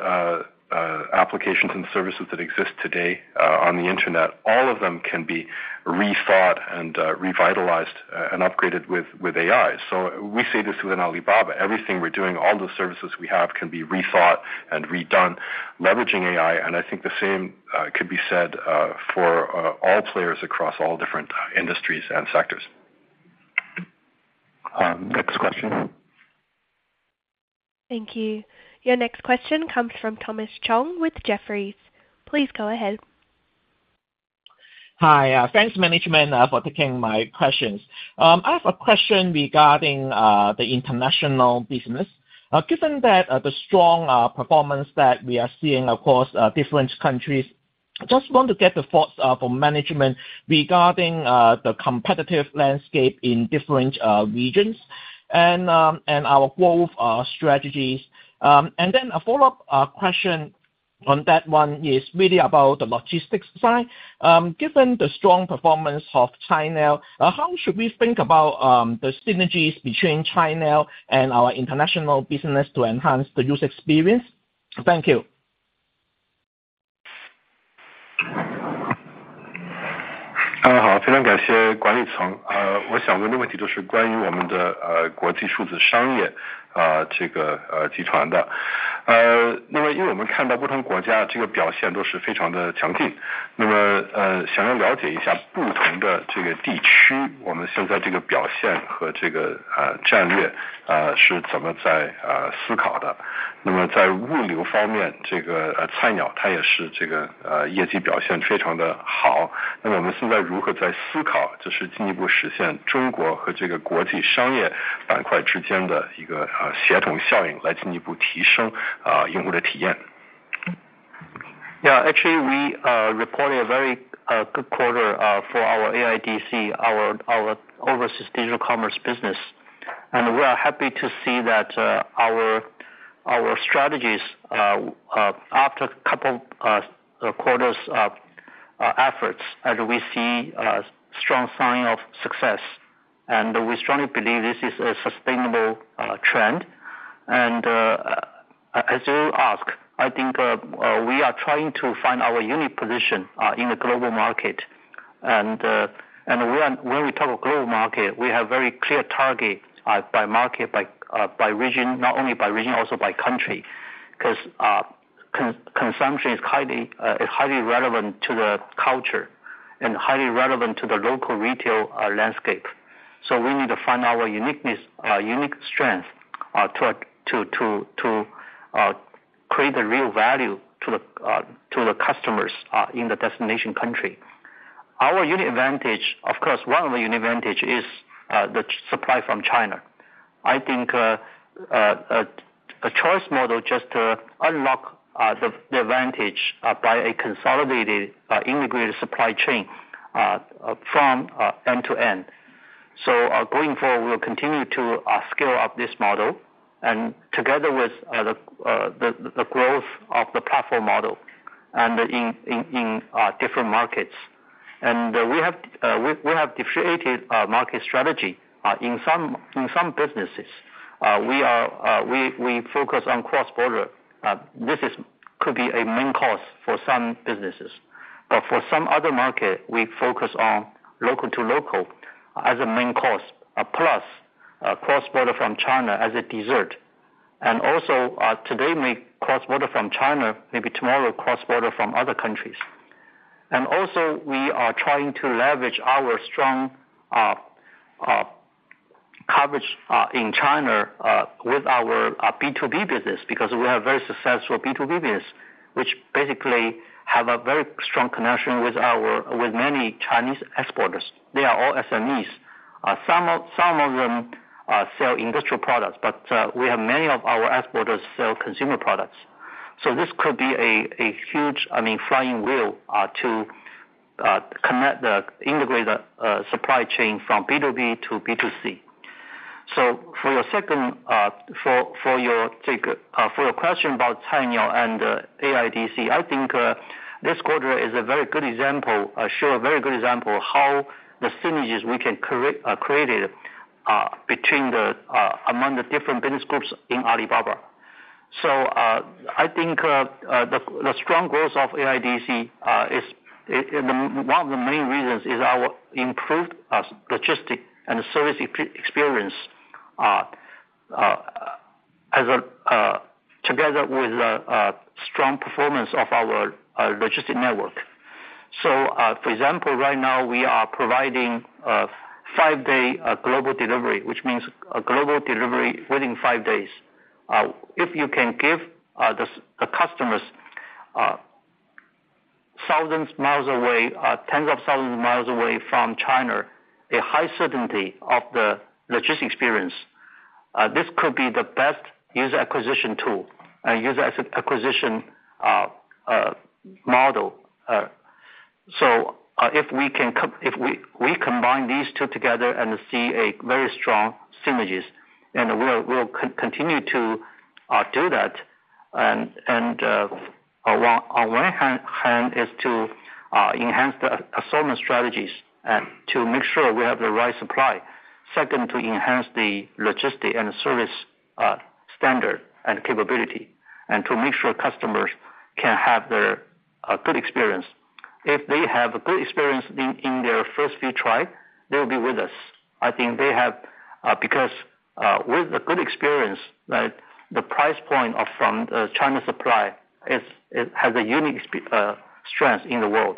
applications and services that exist today, on the internet, all of them can be rethought and revitalized and upgraded with, with AI. We see this within Alibaba. Everything we're doing, all the services we have, can be rethought and redone leveraging AI, and I think the same could be said for all players across all different industries and sectors. Next question? Thank you. Your next question comes from Thomas Chong with Jefferies. Please go ahead. Hi, thanks management for taking my questions. I have a question regarding the international business. Given that the strong performance that we are seeing across different countries, I just want to get the thoughts from management regarding the competitive landscape in different regions and our growth strategies. Then a follow-up question on that one is really about the logistics side. Given the strong performance of Cainiao, how should we think about the synergies between Cainiao and our international business to enhance the user experience? Thank you. Yeah, actually, we reported a very good quarter for our AIDC, our, our overseas digital commerce business, and we are happy to see that our strategies after a couple quarters of efforts, as we see a strong sign of success, and we strongly believe this is a sustainable trend. As you ask, I think, we are trying to find our unique position in the global market. When, when we talk of global market, we have very clear target by market, by, by region, not only by region, also by country, 'cause con-consumption is highly, is highly relevant to the culture and highly relevant to the local retail landscape. We need to find our uniqueness, unique strength, to create the real value to the customers in the destination country. Our unique advantage, of course, one of the unique advantage is the supply from China. I think a Choice model just to unlock the advantage by a consolidated, integrated supply chain from end to end. Going forward, we'll continue to scale up this model and together with the growth of the platform model in different markets. We have differentiated market strategy in some, in some businesses, we focus on cross-border. This is could be a main cause for some businesses, but for some other market, we focus on local to local as a main cause, plus cross-border from China as a dessert. Today, maybe cross-border from China, maybe tomorrow cross-border from other countries. We are trying to leverage our strong coverage in China with our B2B business, because we have very successful B2B business, which basically have a very strong connection with many Chinese exporters. They are all SMEs, some of them sell industrial products, but we have many of our exporters sell consumer products. This could be a, a huge, I mean, flying wheel to connect the integrated supply chain from B2B to B2C. For your second question about Cainiao and AIDC, I think this quarter is a very good example, show a very good example how the synergies we can create, created, between the-- among the different business groups in Alibaba. I think the, the strong growth of AIDC is one of the main reasons is our improved logistics and service experience, as a together with a strong performance of our logistics network. For example, right now we are providing a 5-day global delivery, which means a global delivery within five days. If you can give the, the customers thousands miles away, tens of thousands of miles away from China, a high certainty of the logistics experience, this could be the best user acquisition tool and user acquisition model. If we, we combine these two together and see a very strong synergies, we'll, we'll continue to do that. On one hand is to enhance the assortment strategies and to make sure we have the right supply. Second, to enhance the logistics and service standard and capability, and to make sure customers can have their a good experience. If they have a good experience in, in their first few try, they will be with us. I think they have because with a good experience, right? The price point are from China supply is, it has a unique strength in the world.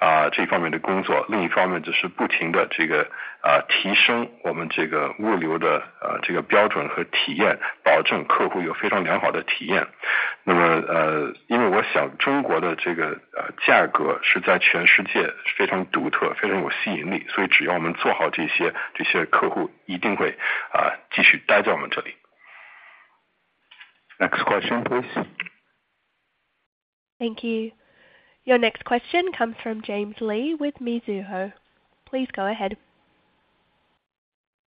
Next question please. Thank you. Your next question comes from James Lee with Mizuho. Please go ahead.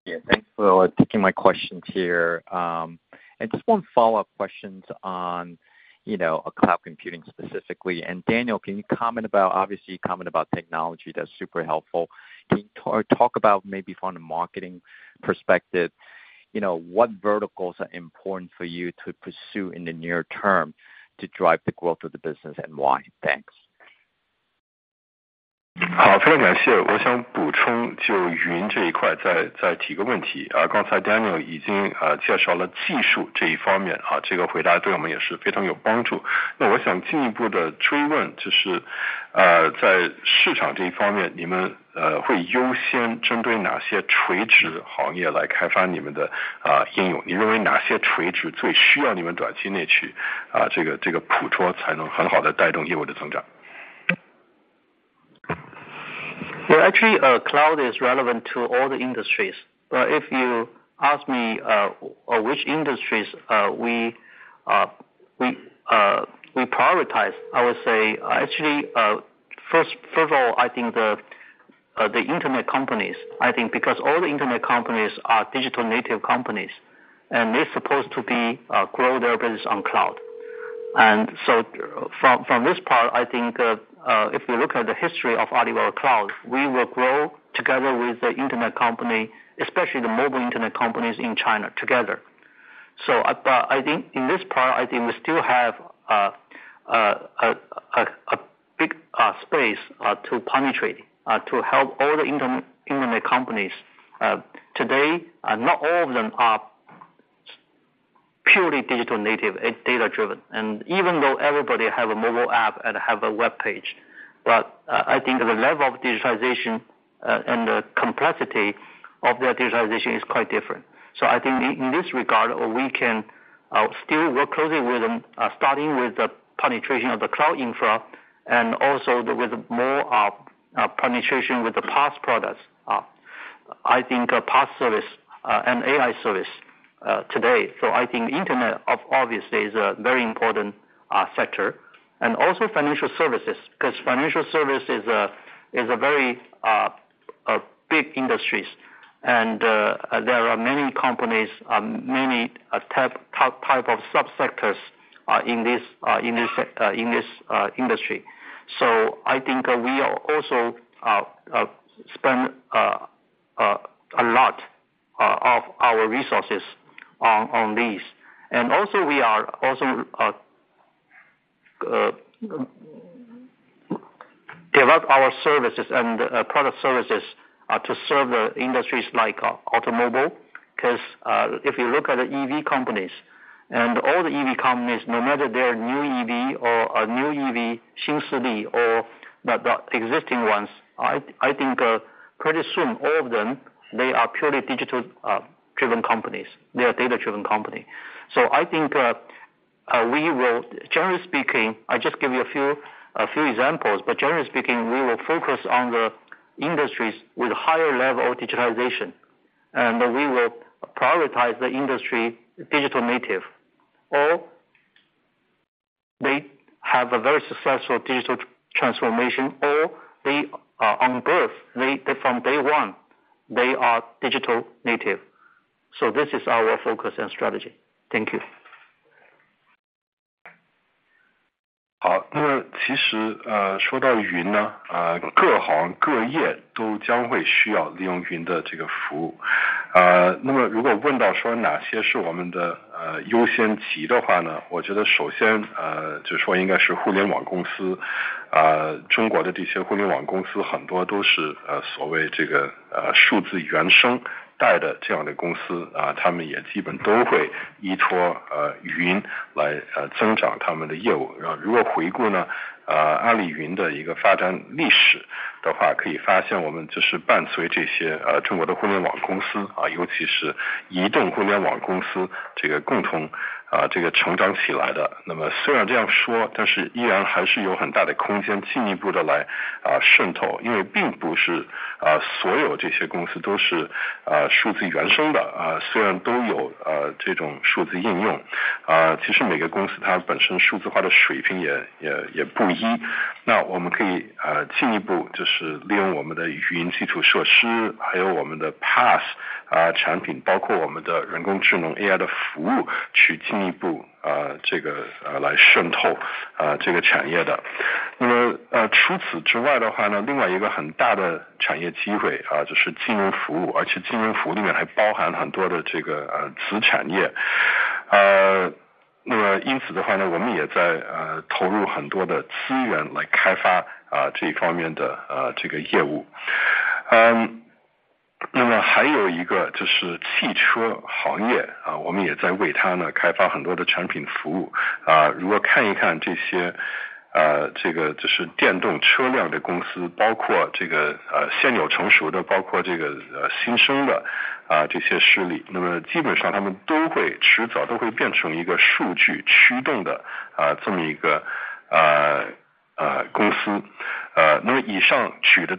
Yeah, thanks for taking my questions here. I just want follow up questions on, you know, a cloud computing specifically. Daniel, can you comment about obviously comment about technology that's super helpful. Can you talk about maybe from the marketing perspective, you know what verticals are important for you to pursue in the near term to drive the growth of the business and why? Thanks. Well, actually cloud is relevant to all the industries, but if you ask me which industries we we we prioritize, I would say actually, first of all, I think the the internet companies, I think because all the internet companies are digital native companies, and they supposed to be grow their business on cloud. So from from this part, I think if you look at the history of Alibaba Cloud, we will grow together with the internet company, especially the mobile internet companies in China together. I think in this part, I think we still have a big space to penetrate to help all the internet internet companies. Today, not all of them are purely digital native data driven, and even though everybody have a mobile app and have a web page. I think the level of digitalization and the complexity of their digitalization is quite different. I think in this regard, we can still work closely with them, starting with the penetration of the cloud infra and also with more of penetration with the PaaS products. I think PaaS service and AI service today. I think the internet of obviously is a very important factor and also financial services, because financial service is a very a big industries and there are many companies and many type of subsectors in this in this in this industry. I think we are also spend a lot of our resources on these, and also we are also. Develop our services and product services to serve the industries like automobile. If you look at the EV companies and all the EV companies, no matter their new EV or a new EV, 新势力 or the existing ones, I think pretty soon all of them, they are purely digital-driven companies. They are data-driven company. I think we will generally speaking, I just give you a few examples, but generally speaking, we will focus on the industries with higher level of digitalization, and we will prioritize the industry, digital native, or they have a very successful digital transformation, or they are from day one, they are digital native. This is our focus and strategy. Thank you. Let's invite the last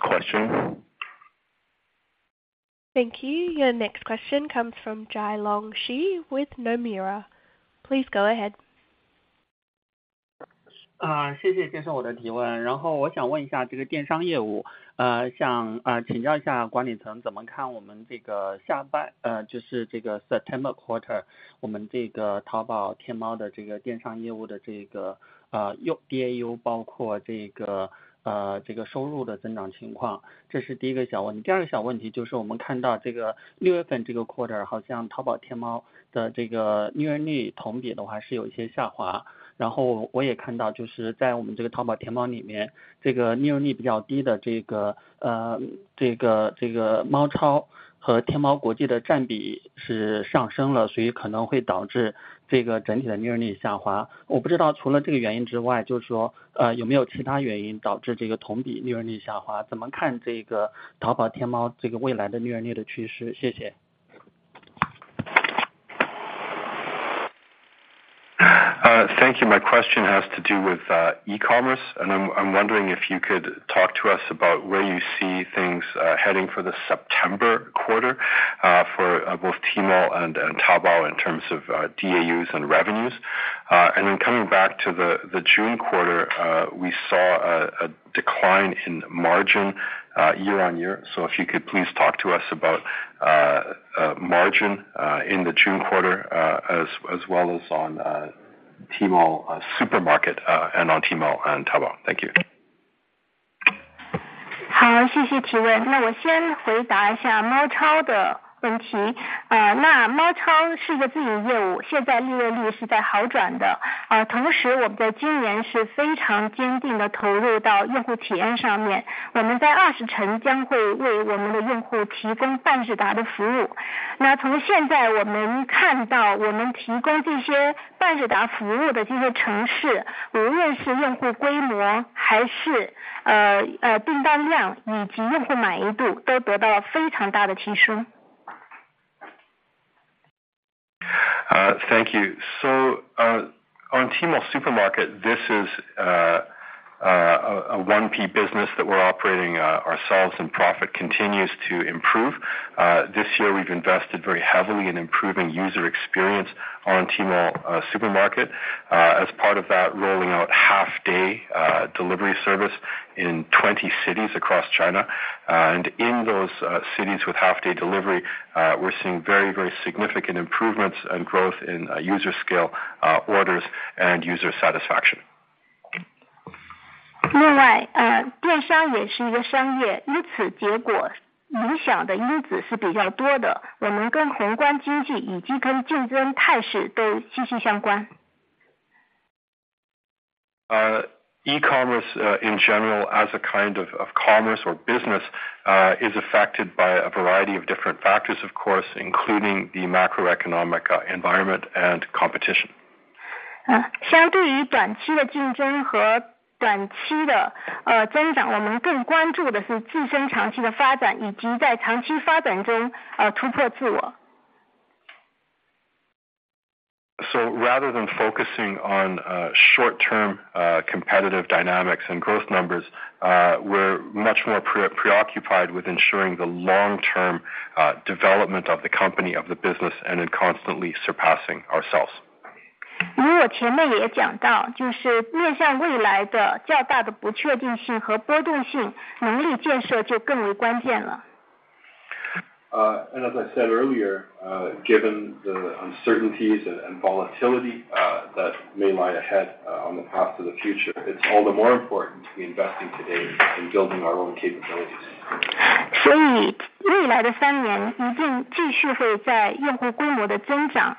question. Thank you. Your next question comes from Jialong Shi with Nomura. Please go ahead. Thank you. My question has to do with e-commerce. I'm, I'm wondering if you could talk to us about where you see things heading for the September quarter, for both Tmall and Taobao in terms of DAUs and revenues. Then coming back to the June quarter, we saw a decline in margin year-over-year. If you could please talk to us about margin in the June quarter, as well as on Tmall Supermarket, and on Tmall and Taobao. Thank you. Thank you. On Tmall Supermarket, this is a 1P business that we're operating ourselves, and profit continues to improve. This year, we've invested very heavily in improving user experience on Tmall Supermarket, as part of that, rolling out half-day delivery service in 20 cities across China. In those cities with half-day delivery, we're seeing very, very significant improvements and growth in user scale, orders and user satisfaction. E-commerce in general as a kind of commerce or business, is affected by a variety of different factors, of course, including the macroeconomic environment and competition. Rather than focusing on short term competitive dynamics and growth numbers, we're much more pre-preoccupied with ensuring the long term development of the company, of the business, and in constantly surpassing ourselves. As I said earlier, given the uncertainties and volatility, that may lie ahead on the path to the future, it's all the more important to be investing today in building our own capabilities. That's why in the next three year period, we'll continue to invest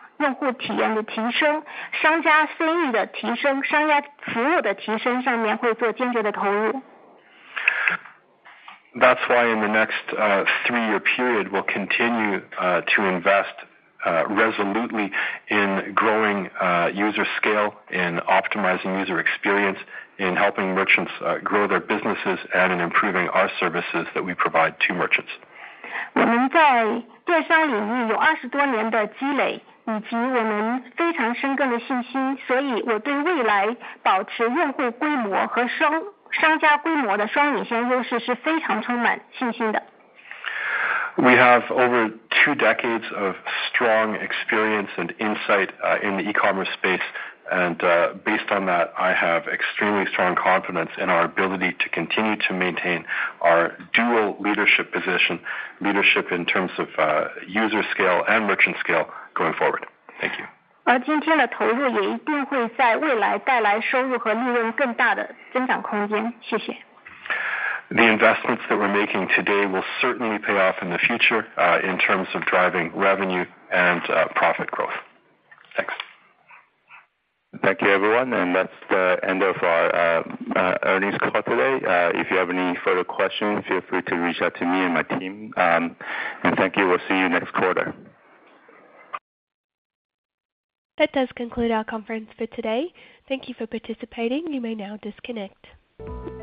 resolutely in growing user scale, in optimizing user experience, in helping merchants grow their businesses, and in improving our services that we provide to merchants. We have over two decades of strong experience and insight in the e-commerce space. Based on that, I have extremely strong confidence in our ability to continue to maintain our dual leadership position, leadership in terms of user scale and merchant scale going forward. Thank you. The investments that we're making today will certainly pay off in the future, in terms of driving revenue and profit growth. Thanks. Thank you, everyone. That's the end of our earnings call today. If you have any further questions, feel free to reach out to me and my team. Thank you. We'll see you next quarter. That does conclude our conference for today. Thank you for participating. You may now disconnect.